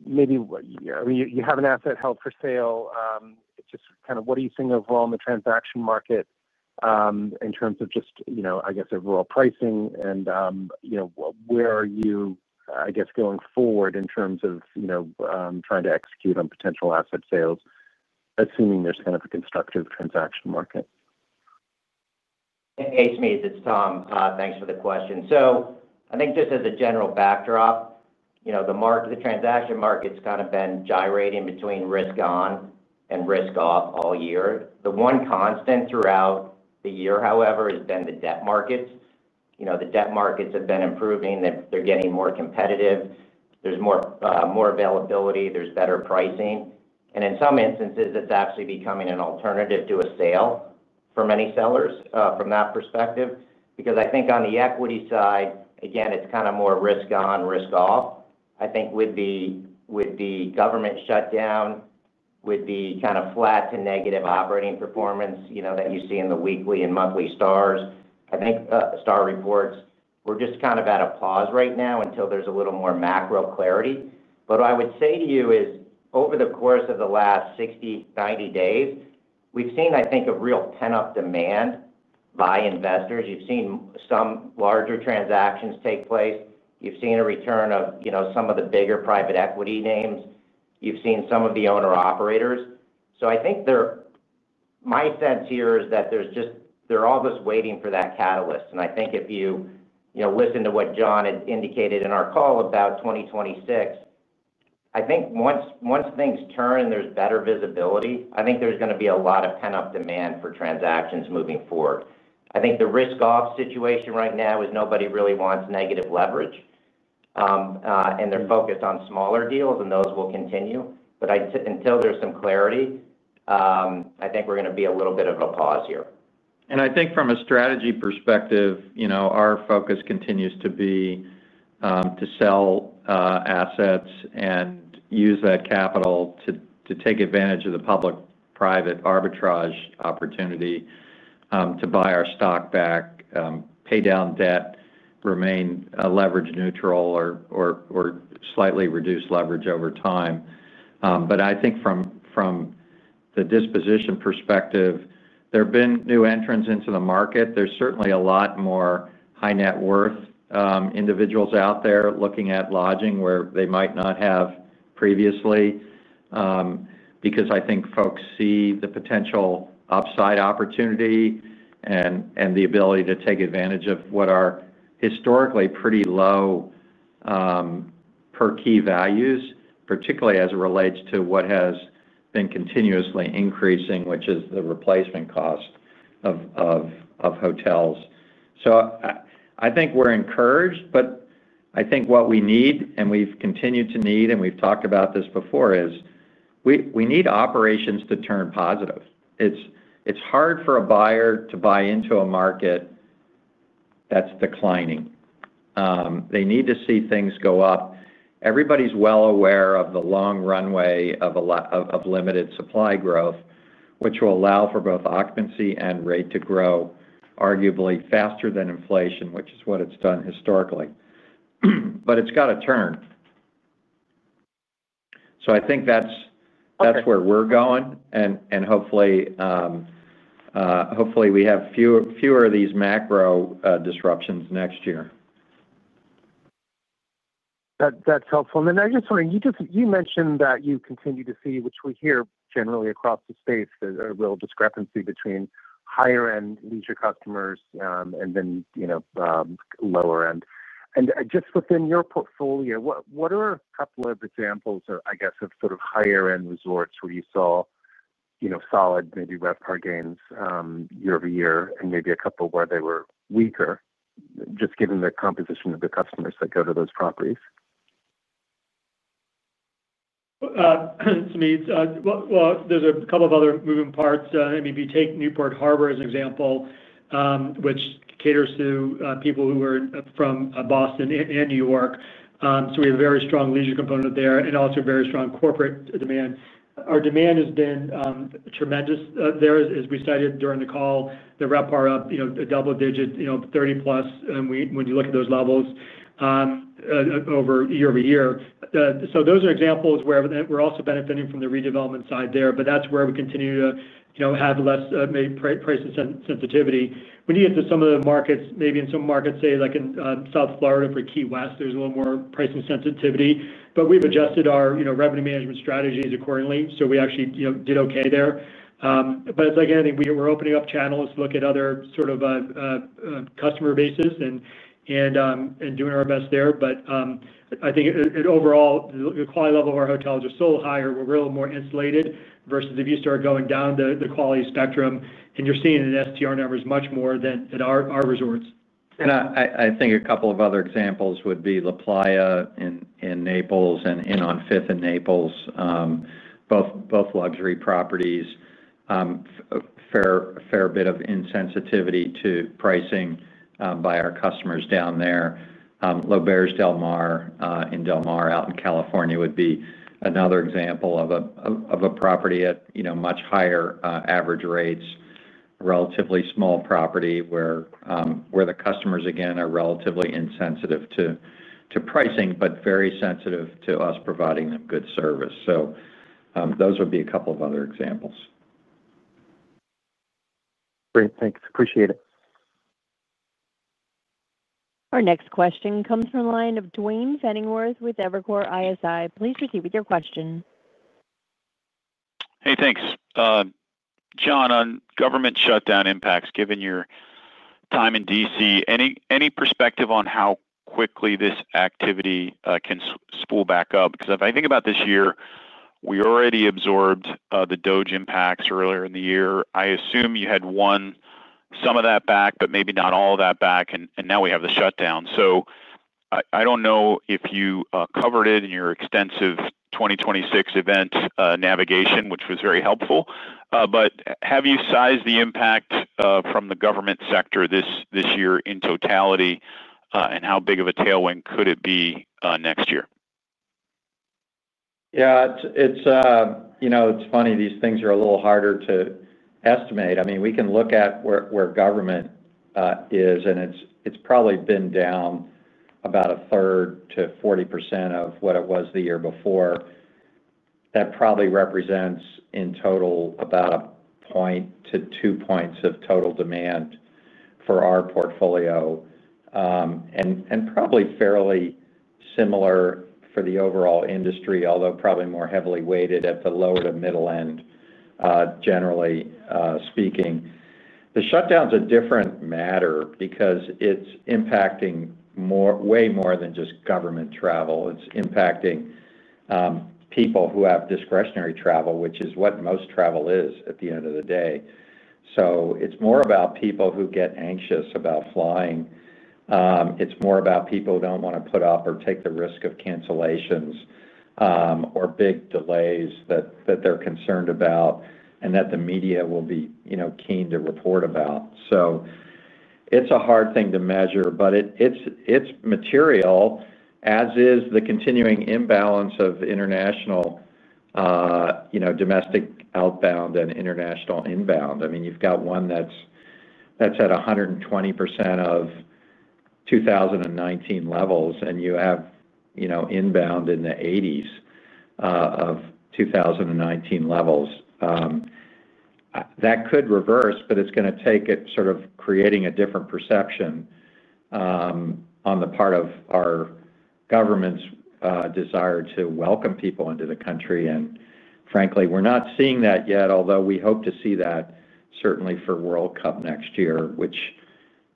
maybe you have an asset held for sale. It's just kind of what are you seeing overall in the transaction market. In terms of just, I guess, overall pricing? Where are you, I guess, going forward in terms of trying to execute on potential asset sales, assuming there's kind of a constructive transaction market? Hey, Smedes. It's Tom. Thanks for the question. I think just as a general backdrop, the transaction market's kind of been gyrating between risk-on and risk-off all year. The one constant throughout the year, however, has been the debt markets. The debt markets have been improving. They're getting more competitive. There's more availability. There's better pricing. In some instances, it's actually becoming an alternative to a sale for many sellers from that perspective. I think on the equity side, again, it's kind of more risk-on, risk-off. I think with the government shutdown. With the kind of flat to negative operating performance that you see in the weekly and monthly STRs, I think STR Reports, we're just kind of at a pause right now until there's a little more macro clarity. What I would say to you is over the course of the last 60-90 days, we've seen, I think, a real pent-up demand by investors. You've seen some larger transactions take place. You've seen a return of some of the bigger private equity names. You've seen some of the owner-operators. I think my sense here is that they're all just waiting for that catalyst. I think if you listen to what Jon had indicated in our call about 2026, once things turn and there's better visibility, I think there's going to be a lot of pent-up demand for transactions moving forward. I think the risk-off situation right now is nobody really wants negative leverage. They're focused on smaller deals, and those will continue. Until there's some clarity, I think we're going to be in a little bit of a pause here. I think from a strategy perspective, our focus continues to be to sell assets and use that capital to take advantage of the public-private arbitrage opportunity to buy our stock back, pay down debt, remain leverage neutral, or slightly reduce leverage over time. I think from the disposition perspective, there have been new entrants into the market. There's certainly a lot more high-net-worth individuals out there looking at lodging where they might not have previously, because I think folks see the potential upside opportunity and the ability to take advantage of what are historically pretty low. Per-key values, particularly as it relates to what has been continuously increasing, which is the replacement cost of hotels. I think we're encouraged, but I think what we need, and we've continued to need, and we've talked about this before, is we need operations to turn positive. It's hard for a buyer to buy into a market that's declining. They need to see things go up. Everybody's well aware of the long runway of limited supply growth, which will allow for both occupancy and rate to grow arguably faster than inflation, which is what it's done historically. It's got to turn. I think that's where we're going. Hopefully, we have fewer of these macro disruptions next year. That's helpful. I just want to, you mentioned that you continue to see, which we hear generally across the space, a real discrepancy between higher-end leisure customers and then lower-end. Just within your portfolio, what are a couple of examples, I guess, of sort of higher-end resorts where you saw solid, maybe RevPAR gains year-over-year, and maybe a couple where they were weaker, just given the composition of the customers that go to those properties? Smedes. There are a couple of other moving parts. I mean, if you take Newport Harbor as an example, which caters to people who are from Boston and New York, we have a very strong leisure component there and also very strong corporate demand. Our demand has been tremendous there, as we stated during the call. The RevPAR up a double-digit, 30+ when you look at those levels. Over year-over-year. Those are examples where we're also benefiting from the redevelopment side there. That is where we continue to have less price sensitivity. When you get to some of the markets, maybe in some markets, say, like in South Florida for Key West, there is a little more pricing sensitivity. We have adjusted our revenue management strategies accordingly. We actually did okay there. It is like anything, we are opening up channels to look at other sort of customer bases and doing our best there. I think overall, the quality level of our hotels is still higher. We are a little more insulated versus if you start going down the quality spectrum and you are seeing the STR numbers much more than at our resorts. I think a couple of other examples would be LaPlaya in Naples and Inn on Fifth in Naples. Both luxury properties. A fair bit of insensitivity to pricing by our customers down there. L'Auberge Del Mar in Del Mar out in California would be another example of a property at much higher average rates, a relatively small property where the customers, again, are relatively insensitive to pricing, but very sensitive to us providing them good service. Those would be a couple of other examples. Great. Thanks. Appreciate it. Our next question comes from a line of Duane Pfennigwerth with Evercore ISI. Please proceed with your question. Hey, thanks. Jon, on government shutdown impacts, given your time in D.C., any perspective on how quickly this activity can spool back up? Because if I think about this year, we already absorbed the DOGE impacts earlier in the year. I assume you had won some of that back, but maybe not all of that back, and now we have the shutdown. I do not know if you covered it in your extensive 2026 event navigation, which was very helpful. Have you sized the impact from the government sector this year in totality, and how big of a tailwind could it be next year? Yeah. It is funny. These things are a little harder to estimate. I mean, we can look at where government is, and it has probably been down about a third to 40% of what it was the year before. That probably represents in total about a point to two points of total demand for our portfolio. And probably fairly similar for the overall industry, although probably more heavily weighted at the lower to middle end. Generally speaking, the shutdowns are a different matter because it is impacting way more than just government travel. It is impacting. People who have discretionary travel, which is what most travel is at the end of the day. It is more about people who get anxious about flying. It is more about people who do not want to put up or take the risk of cancellations or big delays that they are concerned about and that the media will be keen to report about. It is a hard thing to measure, but it is material, as is the continuing imbalance of domestic outbound and international inbound. I mean, you have got one that is at 120% of 2019 levels, and you have inbound in the 80% of 2019 levels. That could reverse, but it is going to take it sort of creating a different perception on the part of our government's desire to welcome people into the country. Frankly, we are not seeing that yet, although we hope to see that certainly for World Cup next year, which.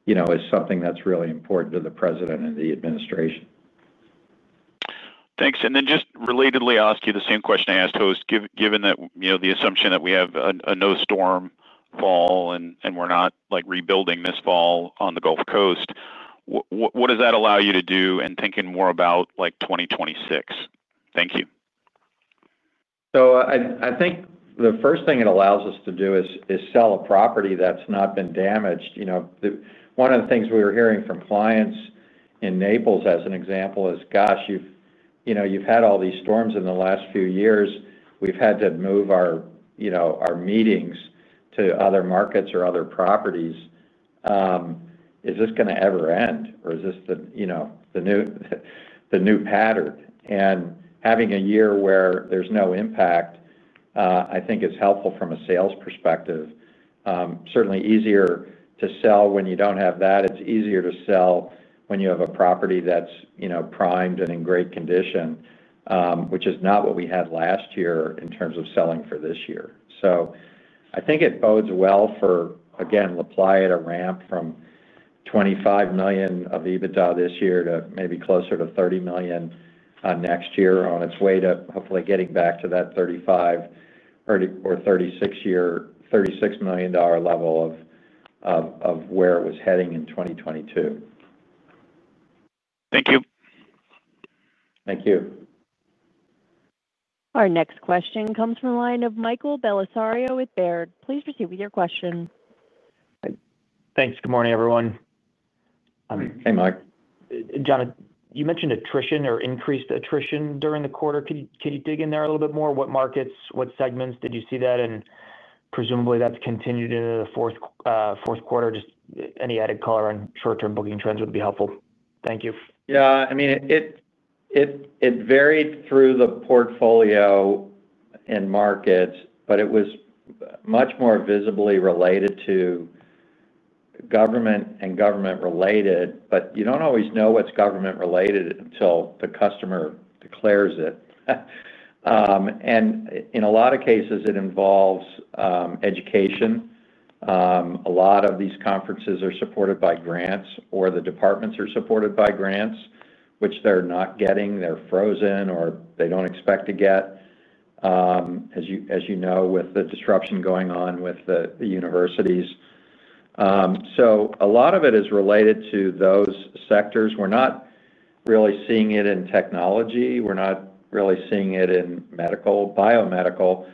Is something that's really important to the President and the administration. Thanks. Then just relatedly, I'll ask you the same question I asked host, given that the assumption that we have a no-storm fall and we're not rebuilding this fall on the Gulf Coast. What does that allow you to do in thinking more about 2026? Thank you. I think the first thing it allows us to do is sell a property that's not been damaged. One of the things we were hearing from clients in Naples, as an example, is, "Gosh, you've had all these storms in the last few years. We've had to move our meetings to other markets or other properties. Is this going to ever end, or is this the new pattern?" Having a year where there's no impact, I think, is helpful from a sales perspective. Certainly easier to sell when you do not have that. It is easier to sell when you have a property that is primed and in great condition, which is not what we had last year in terms of selling for this year. I think it bodes well for, again, La Playa to ramp from $25 million of EBITDA this year to maybe closer to $30 million next year on its way to hopefully getting back to that $35 million or $36 million level of where it was heading in 2022. Thank you. Thank you. Our next question comes from a line of Michael Bellisario with Baird. Please proceed with your question. Thanks. Good morning, everyone. Hey, Mike. Jon, you mentioned attrition or increased attrition during the quarter. Can you dig in there a little bit more? What markets, what segments did you see that in? Presumably, that has continued into the fourth quarter. Just any added color on short-term booking trends would be helpful. Thank you. Yeah. I mean, it varied through the portfolio and markets, but it was much more visibly related to government and government-related. You do not always know what is government-related until the customer declares it. In a lot of cases, it involves education. A lot of these conferences are supported by grants, or the departments are supported by grants, which they are not getting. They are frozen or they do not expect to get, as you know, with the disruption going on with the universities. A lot of it is related to those sectors. We are not really seeing it in technology. We are not really seeing it in medical, biomedical.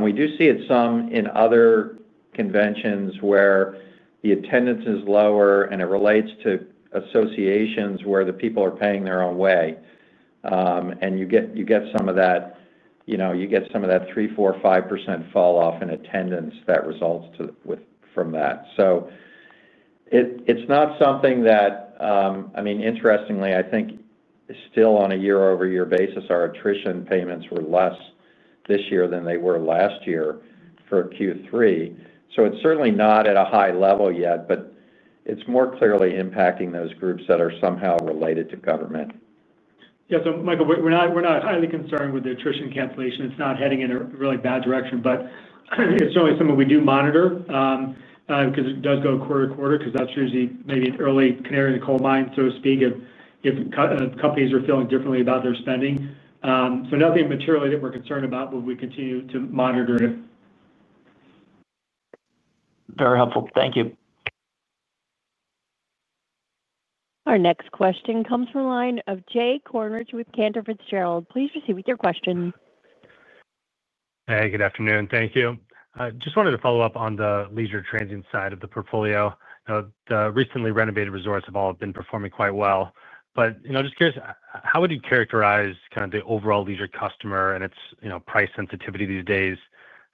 We do see it some in other conventions where the attendance is lower, and it relates to associations where the people are paying their own way. You get some of that. You get some of that 3%, 4%, 5% falloff in attendance that results from that. It's not something that, I mean, interestingly, I think, still on a year-over-year basis, our attrition payments were less this year than they were last year for Q3. It's certainly not at a high level yet, but it's more clearly impacting those groups that are somehow related to government. Yeah. Michael, we're not highly concerned with the attrition cancellation. It's not heading in a really bad direction, but it's certainly something we do monitor. It does go quarter to quarter, because that's usually maybe an early canary in the coal mine, so to speak, if companies are feeling differently about their spending. Nothing materially that we're concerned about, but we continue to monitor it. Very helpful. Thank you. Our next question comes from a line of Jay Kornreich with Cantor Fitzgerald. Please proceed with your question. Hey, good afternoon. Thank you. Just wanted to follow up on the leisure transit side of the portfolio. The recently renovated resorts have all been performing quite well. Just curious, how would you characterize kind of the overall leisure customer and its price sensitivity these days?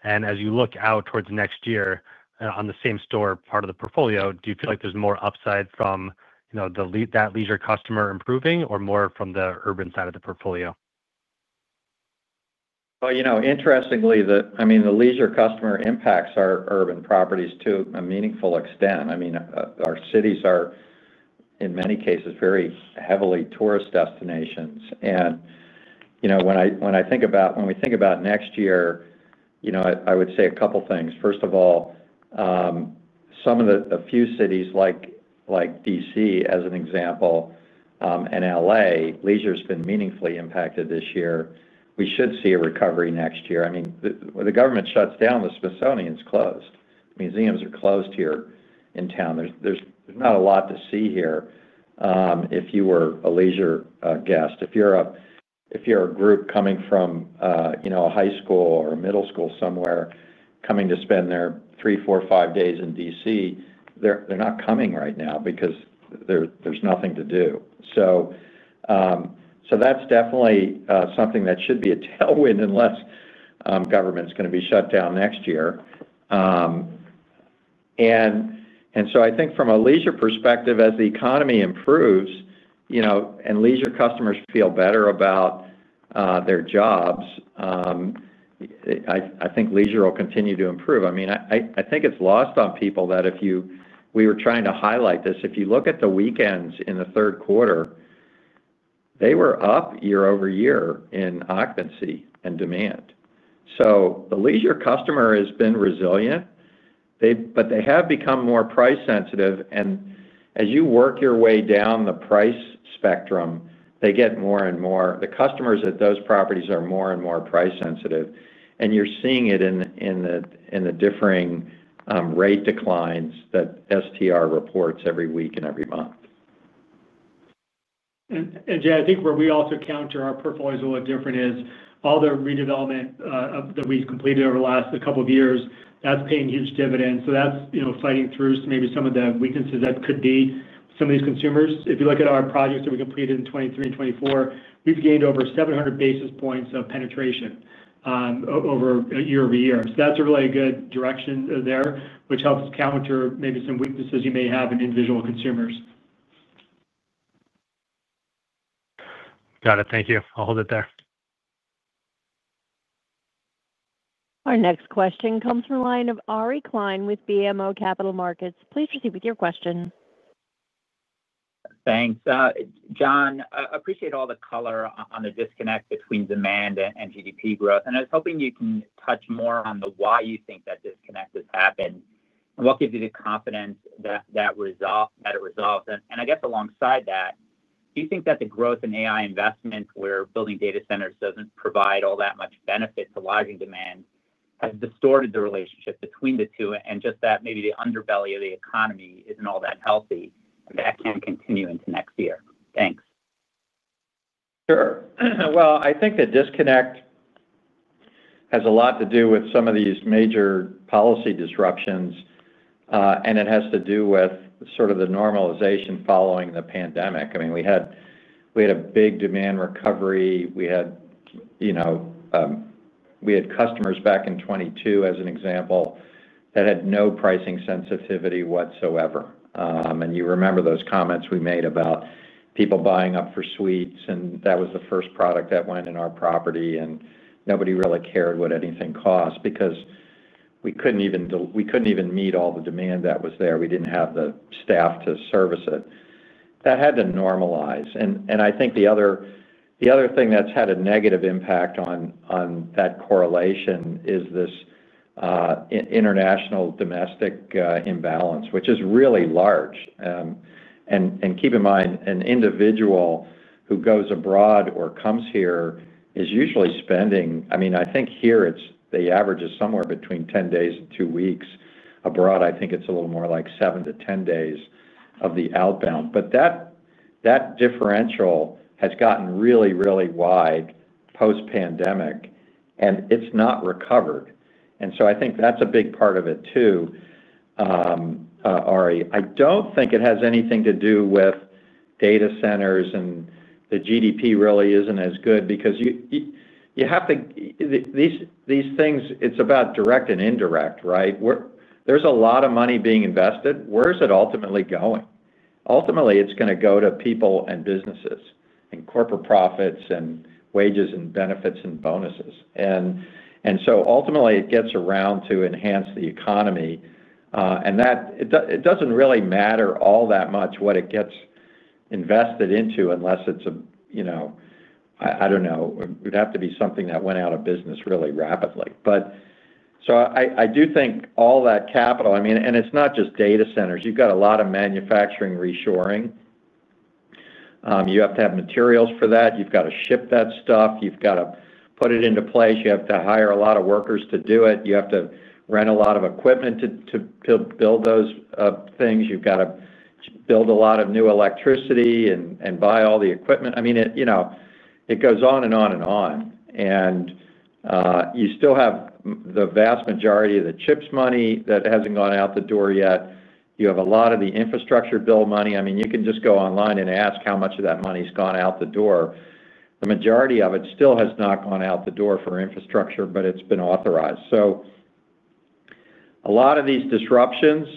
As you look out towards next year on the same store part of the portfolio, do you feel like there's more upside from that leisure customer improving or more from the urban side of the portfolio? Interestingly, I mean, the leisure customer impacts our urban properties to a meaningful extent. I mean, our cities are, in many cases, very heavily tourist destinations. When I think about when we think about next year, I would say a couple of things. First of all. Some of the few cities like D.C., as an example. And LA, leisure has been meaningfully impacted this year. We should see a recovery next year. I mean, the government shuts down, the Smithsonian's closed. Museums are closed here in town. There's not a lot to see here. If you were a leisure guest, if you're a group coming from a high school or a middle school somewhere coming to spend their three, four, five days in D.C., they're not coming right now because there's nothing to do. That's definitely something that should be a tailwind unless government's going to be shut down next year. I think from a leisure perspective, as the economy improves and leisure customers feel better about their jobs, I think leisure will continue to improve. I mean, I think it's lost on people that if you—we were trying to highlight this. If you look at the weekends in the third quarter, they were up year-over-year in occupancy and demand. The leisure customer has been resilient, but they have become more price sensitive. As you work your way down the price spectrum, the customers at those properties are more and more price sensitive. You are seeing it in the differing rate declines that STR reports every week and every month. Jay, I think where we also counter our portfolio as a little different is all the redevelopment that we have completed over the last couple of years, that is paying huge dividends. That is fighting through maybe some of the weaknesses that could be some of these consumers. If you look at our projects that we completed in 2023 and 2024, we have gained over 700 basis points of penetration year-over-year. That's a really good direction there, which helps counter maybe some weaknesses you may have in individual consumers. Got it. Thank you. I'll hold it there. Our next question comes from a line of Ari Klein with BMO Capital Markets. Please proceed with your question. Thanks. Jon, I appreciate all the color on the disconnect between demand and GDP growth. I was hoping you can touch more on why you think that disconnect has happened and what gives you the confidence that it resolves. I guess alongside that, do you think that the growth in AI investments, where building data centers doesn't provide all that much benefit to lodging demand, has distorted the relationship between the two and just that maybe the underbelly of the economy isn't all that healthy and that can't continue into next year? Thanks. Sure. I think the disconnect. has a lot to do with some of these major policy disruptions. It has to do with sort of the normalization following the pandemic. I mean, we had a big demand recovery. We had customers back in 2022, as an example, that had no pricing sensitivity whatsoever. You remember those comments we made about people buying up for suites, and that was the first product that went in our property, and nobody really cared what anything cost because we could not even meet all the demand that was there. We did not have the staff to service it. That had to normalize. I think the other thing that has had a negative impact on that correlation is this international domestic imbalance, which is really large. Keep in mind, an individual who goes abroad or comes here is usually spending—I mean, I think here the average is somewhere between 10 days and 2 weeks. Abroad, I think it's a little more like 7-10 days of the outbound. That differential has gotten really, really wide post-pandemic, and it's not recovered. I think that's a big part of it too. Ari, I don't think it has anything to do with data centers, and the GDP really isn't as good because you have to—these things, it's about direct and indirect, right? There's a lot of money being invested. Where's it ultimately going? Ultimately, it's going to go to people and businesses and corporate profits and wages and benefits and bonuses. Ultimately, it gets around to enhance the economy. It does not really matter all that much what it gets invested into unless it is a—I do not know. It would have to be something that went out of business really rapidly. I do think all that capital—I mean, and it is not just data centers. You have a lot of manufacturing reshoring. You have to have materials for that. You have to ship that stuff. You have to put it into place. You have to hire a lot of workers to do it. You have to rent a lot of equipment to build those things. You have to build a lot of new electricity and buy all the equipment. I mean, it goes on and on and on. You still have the vast majority of the chips money that has not gone out the door yet. You have a lot of the infrastructure bill money. I mean, you can just go online and ask how much of that money's gone out the door. The majority of it still has not gone out the door for infrastructure, but it's been authorized. A lot of these disruptions,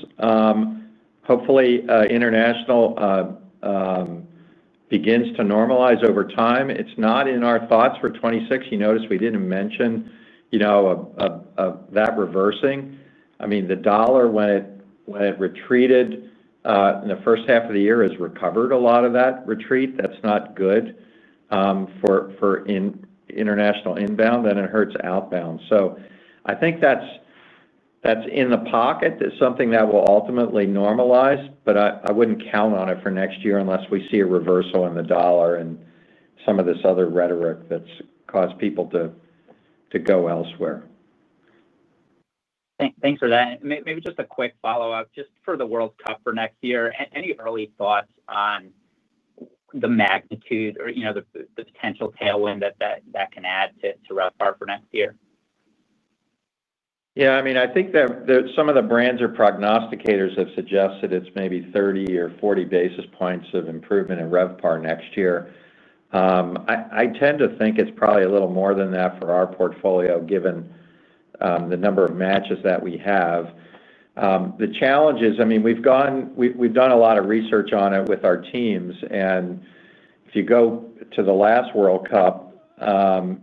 hopefully, international, begins to normalize over time. It's not in our thoughts for 2026. You noticed we didn't mention that reversing. I mean, the dollar, when it retreated in the first half of the year, has recovered a lot of that retreat. That's not good for international inbound, and it hurts outbound. I think that's in the pocket. It's something that will ultimately normalize, but I wouldn't count on it for next year unless we see a reversal in the dollar and some of this other rhetoric that's caused people to go elsewhere. Thanks for that. Maybe just a quick follow-up, just for the World Cup for next year, any early thoughts on the magnitude or the potential tailwind that that can add to RevPAR for next year? Yeah. I mean, I think that some of the brands or prognosticators have suggested it's maybe 30 or 40 basis points of improvement in RevPAR next year. I tend to think it's probably a little more than that for our portfolio, given the number of matches that we have. The challenge is, I mean, we've done a lot of research on it with our teams. If you go to the last World Cup, 70%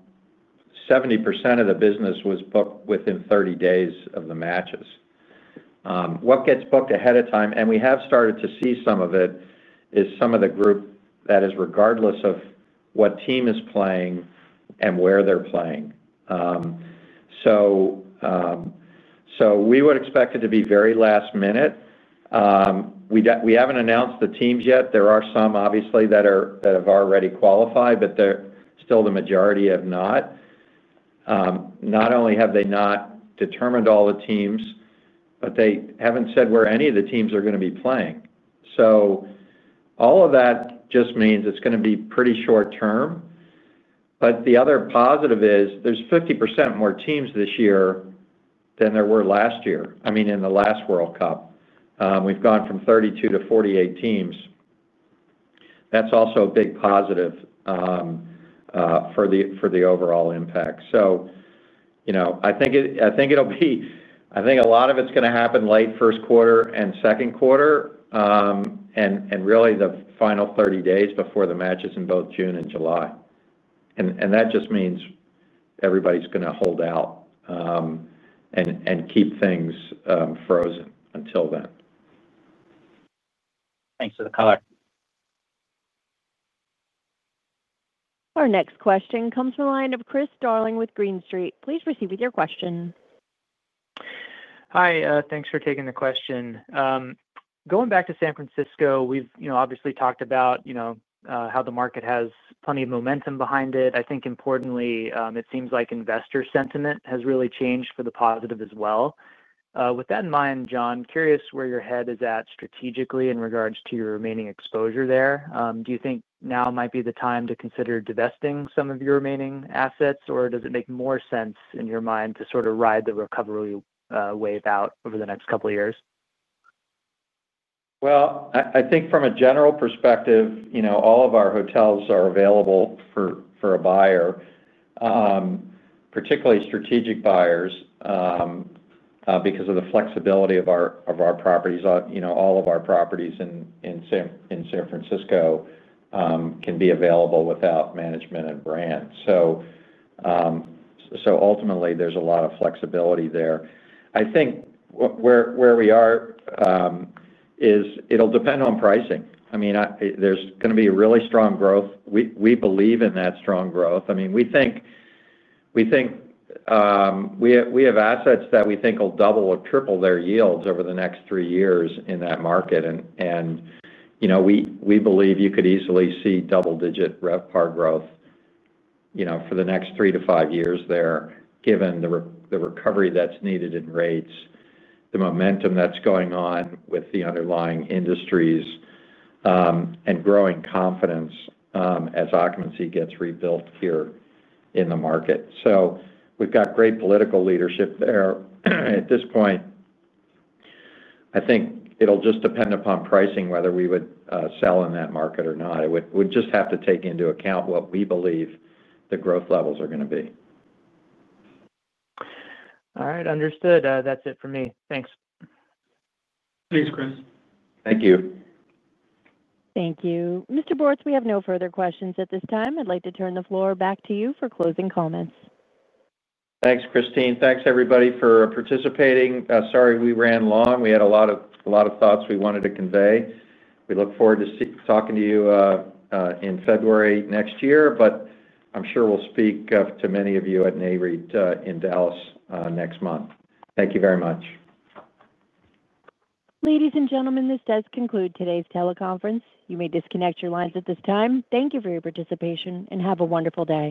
of the business was booked within 30 days of the matches. What gets booked ahead of time, and we have started to see some of it, is some of the group that is regardless of what team is playing and where they're playing. We would expect it to be very last minute. We haven't announced the teams yet. There are some, obviously, that have already qualified, but still the majority have not. Not only have they not determined all the teams, but they haven't said where any of the teams are going to be playing. All of that just means it's going to be pretty short-term. The other positive is there's 50% more teams this year than there were last year, I mean, in the last World Cup. We've gone from 32 to 48 teams. That's also a big positive for the overall impact. I think it'll be—I think a lot of it's going to happen late first quarter and second quarter. Really the final 30 days before the matches in both June and July. That just means everybody's going to hold out. Keep things frozen until then. Thanks for the color. Our next question comes from a line of Chris Darling with Green Street. Please proceed with your question. Hi. Thanks for taking the question. Going back to San Francisco, we've obviously talked about how the market has plenty of momentum behind it. I think importantly, it seems like investor sentiment has really changed for the positive as well. With that in mind, Jon, curious where your head is at strategically in regards to your remaining exposure there. Do you think now might be the time to consider divesting some of your remaining assets, or does it make more sense in your mind to sort of ride the recovery wave out over the next couple of years? I think from a general perspective, all of our hotels are available for a buyer, particularly strategic buyers. Because of the flexibility of our properties. All of our properties in San Francisco can be available without management and brand. Ultimately, there's a lot of flexibility there. I think where we are is it'll depend on pricing. I mean, there's going to be really strong growth. We believe in that strong growth. I mean, we think we have assets that we think will double or triple their yields over the next three years in that market. We believe you could easily see double-digit RevPAR growth for the next three to five years there, given the recovery that's needed in rates, the momentum that's going on with the underlying industries, and growing confidence as occupancy gets rebuilt here in the market. We've got great political leadership there. At this point, I think it'll just depend upon pricing whether we would sell in that market or not. It would just have to take into account what we believe the growth levels are going to be. All right. Understood. That's it for me. Thanks. Thanks, Chris. Thank you. Thank you. Mr. Bortz, we have no further questions at this time. I'd like to turn the floor back to you for closing comments. Thanks, Christine. Thanks, everybody, for participating. Sorry we ran long. We had a lot of thoughts we wanted to convey. We look forward to talking to you in February next year, but I'm sure we'll speak to many of you at Navy in Dallas next month. Thank you very much. Ladies and gentlemen, this does conclude today's teleconference. You may disconnect your lines at this time. Thank you for your participation and have a wonderful day.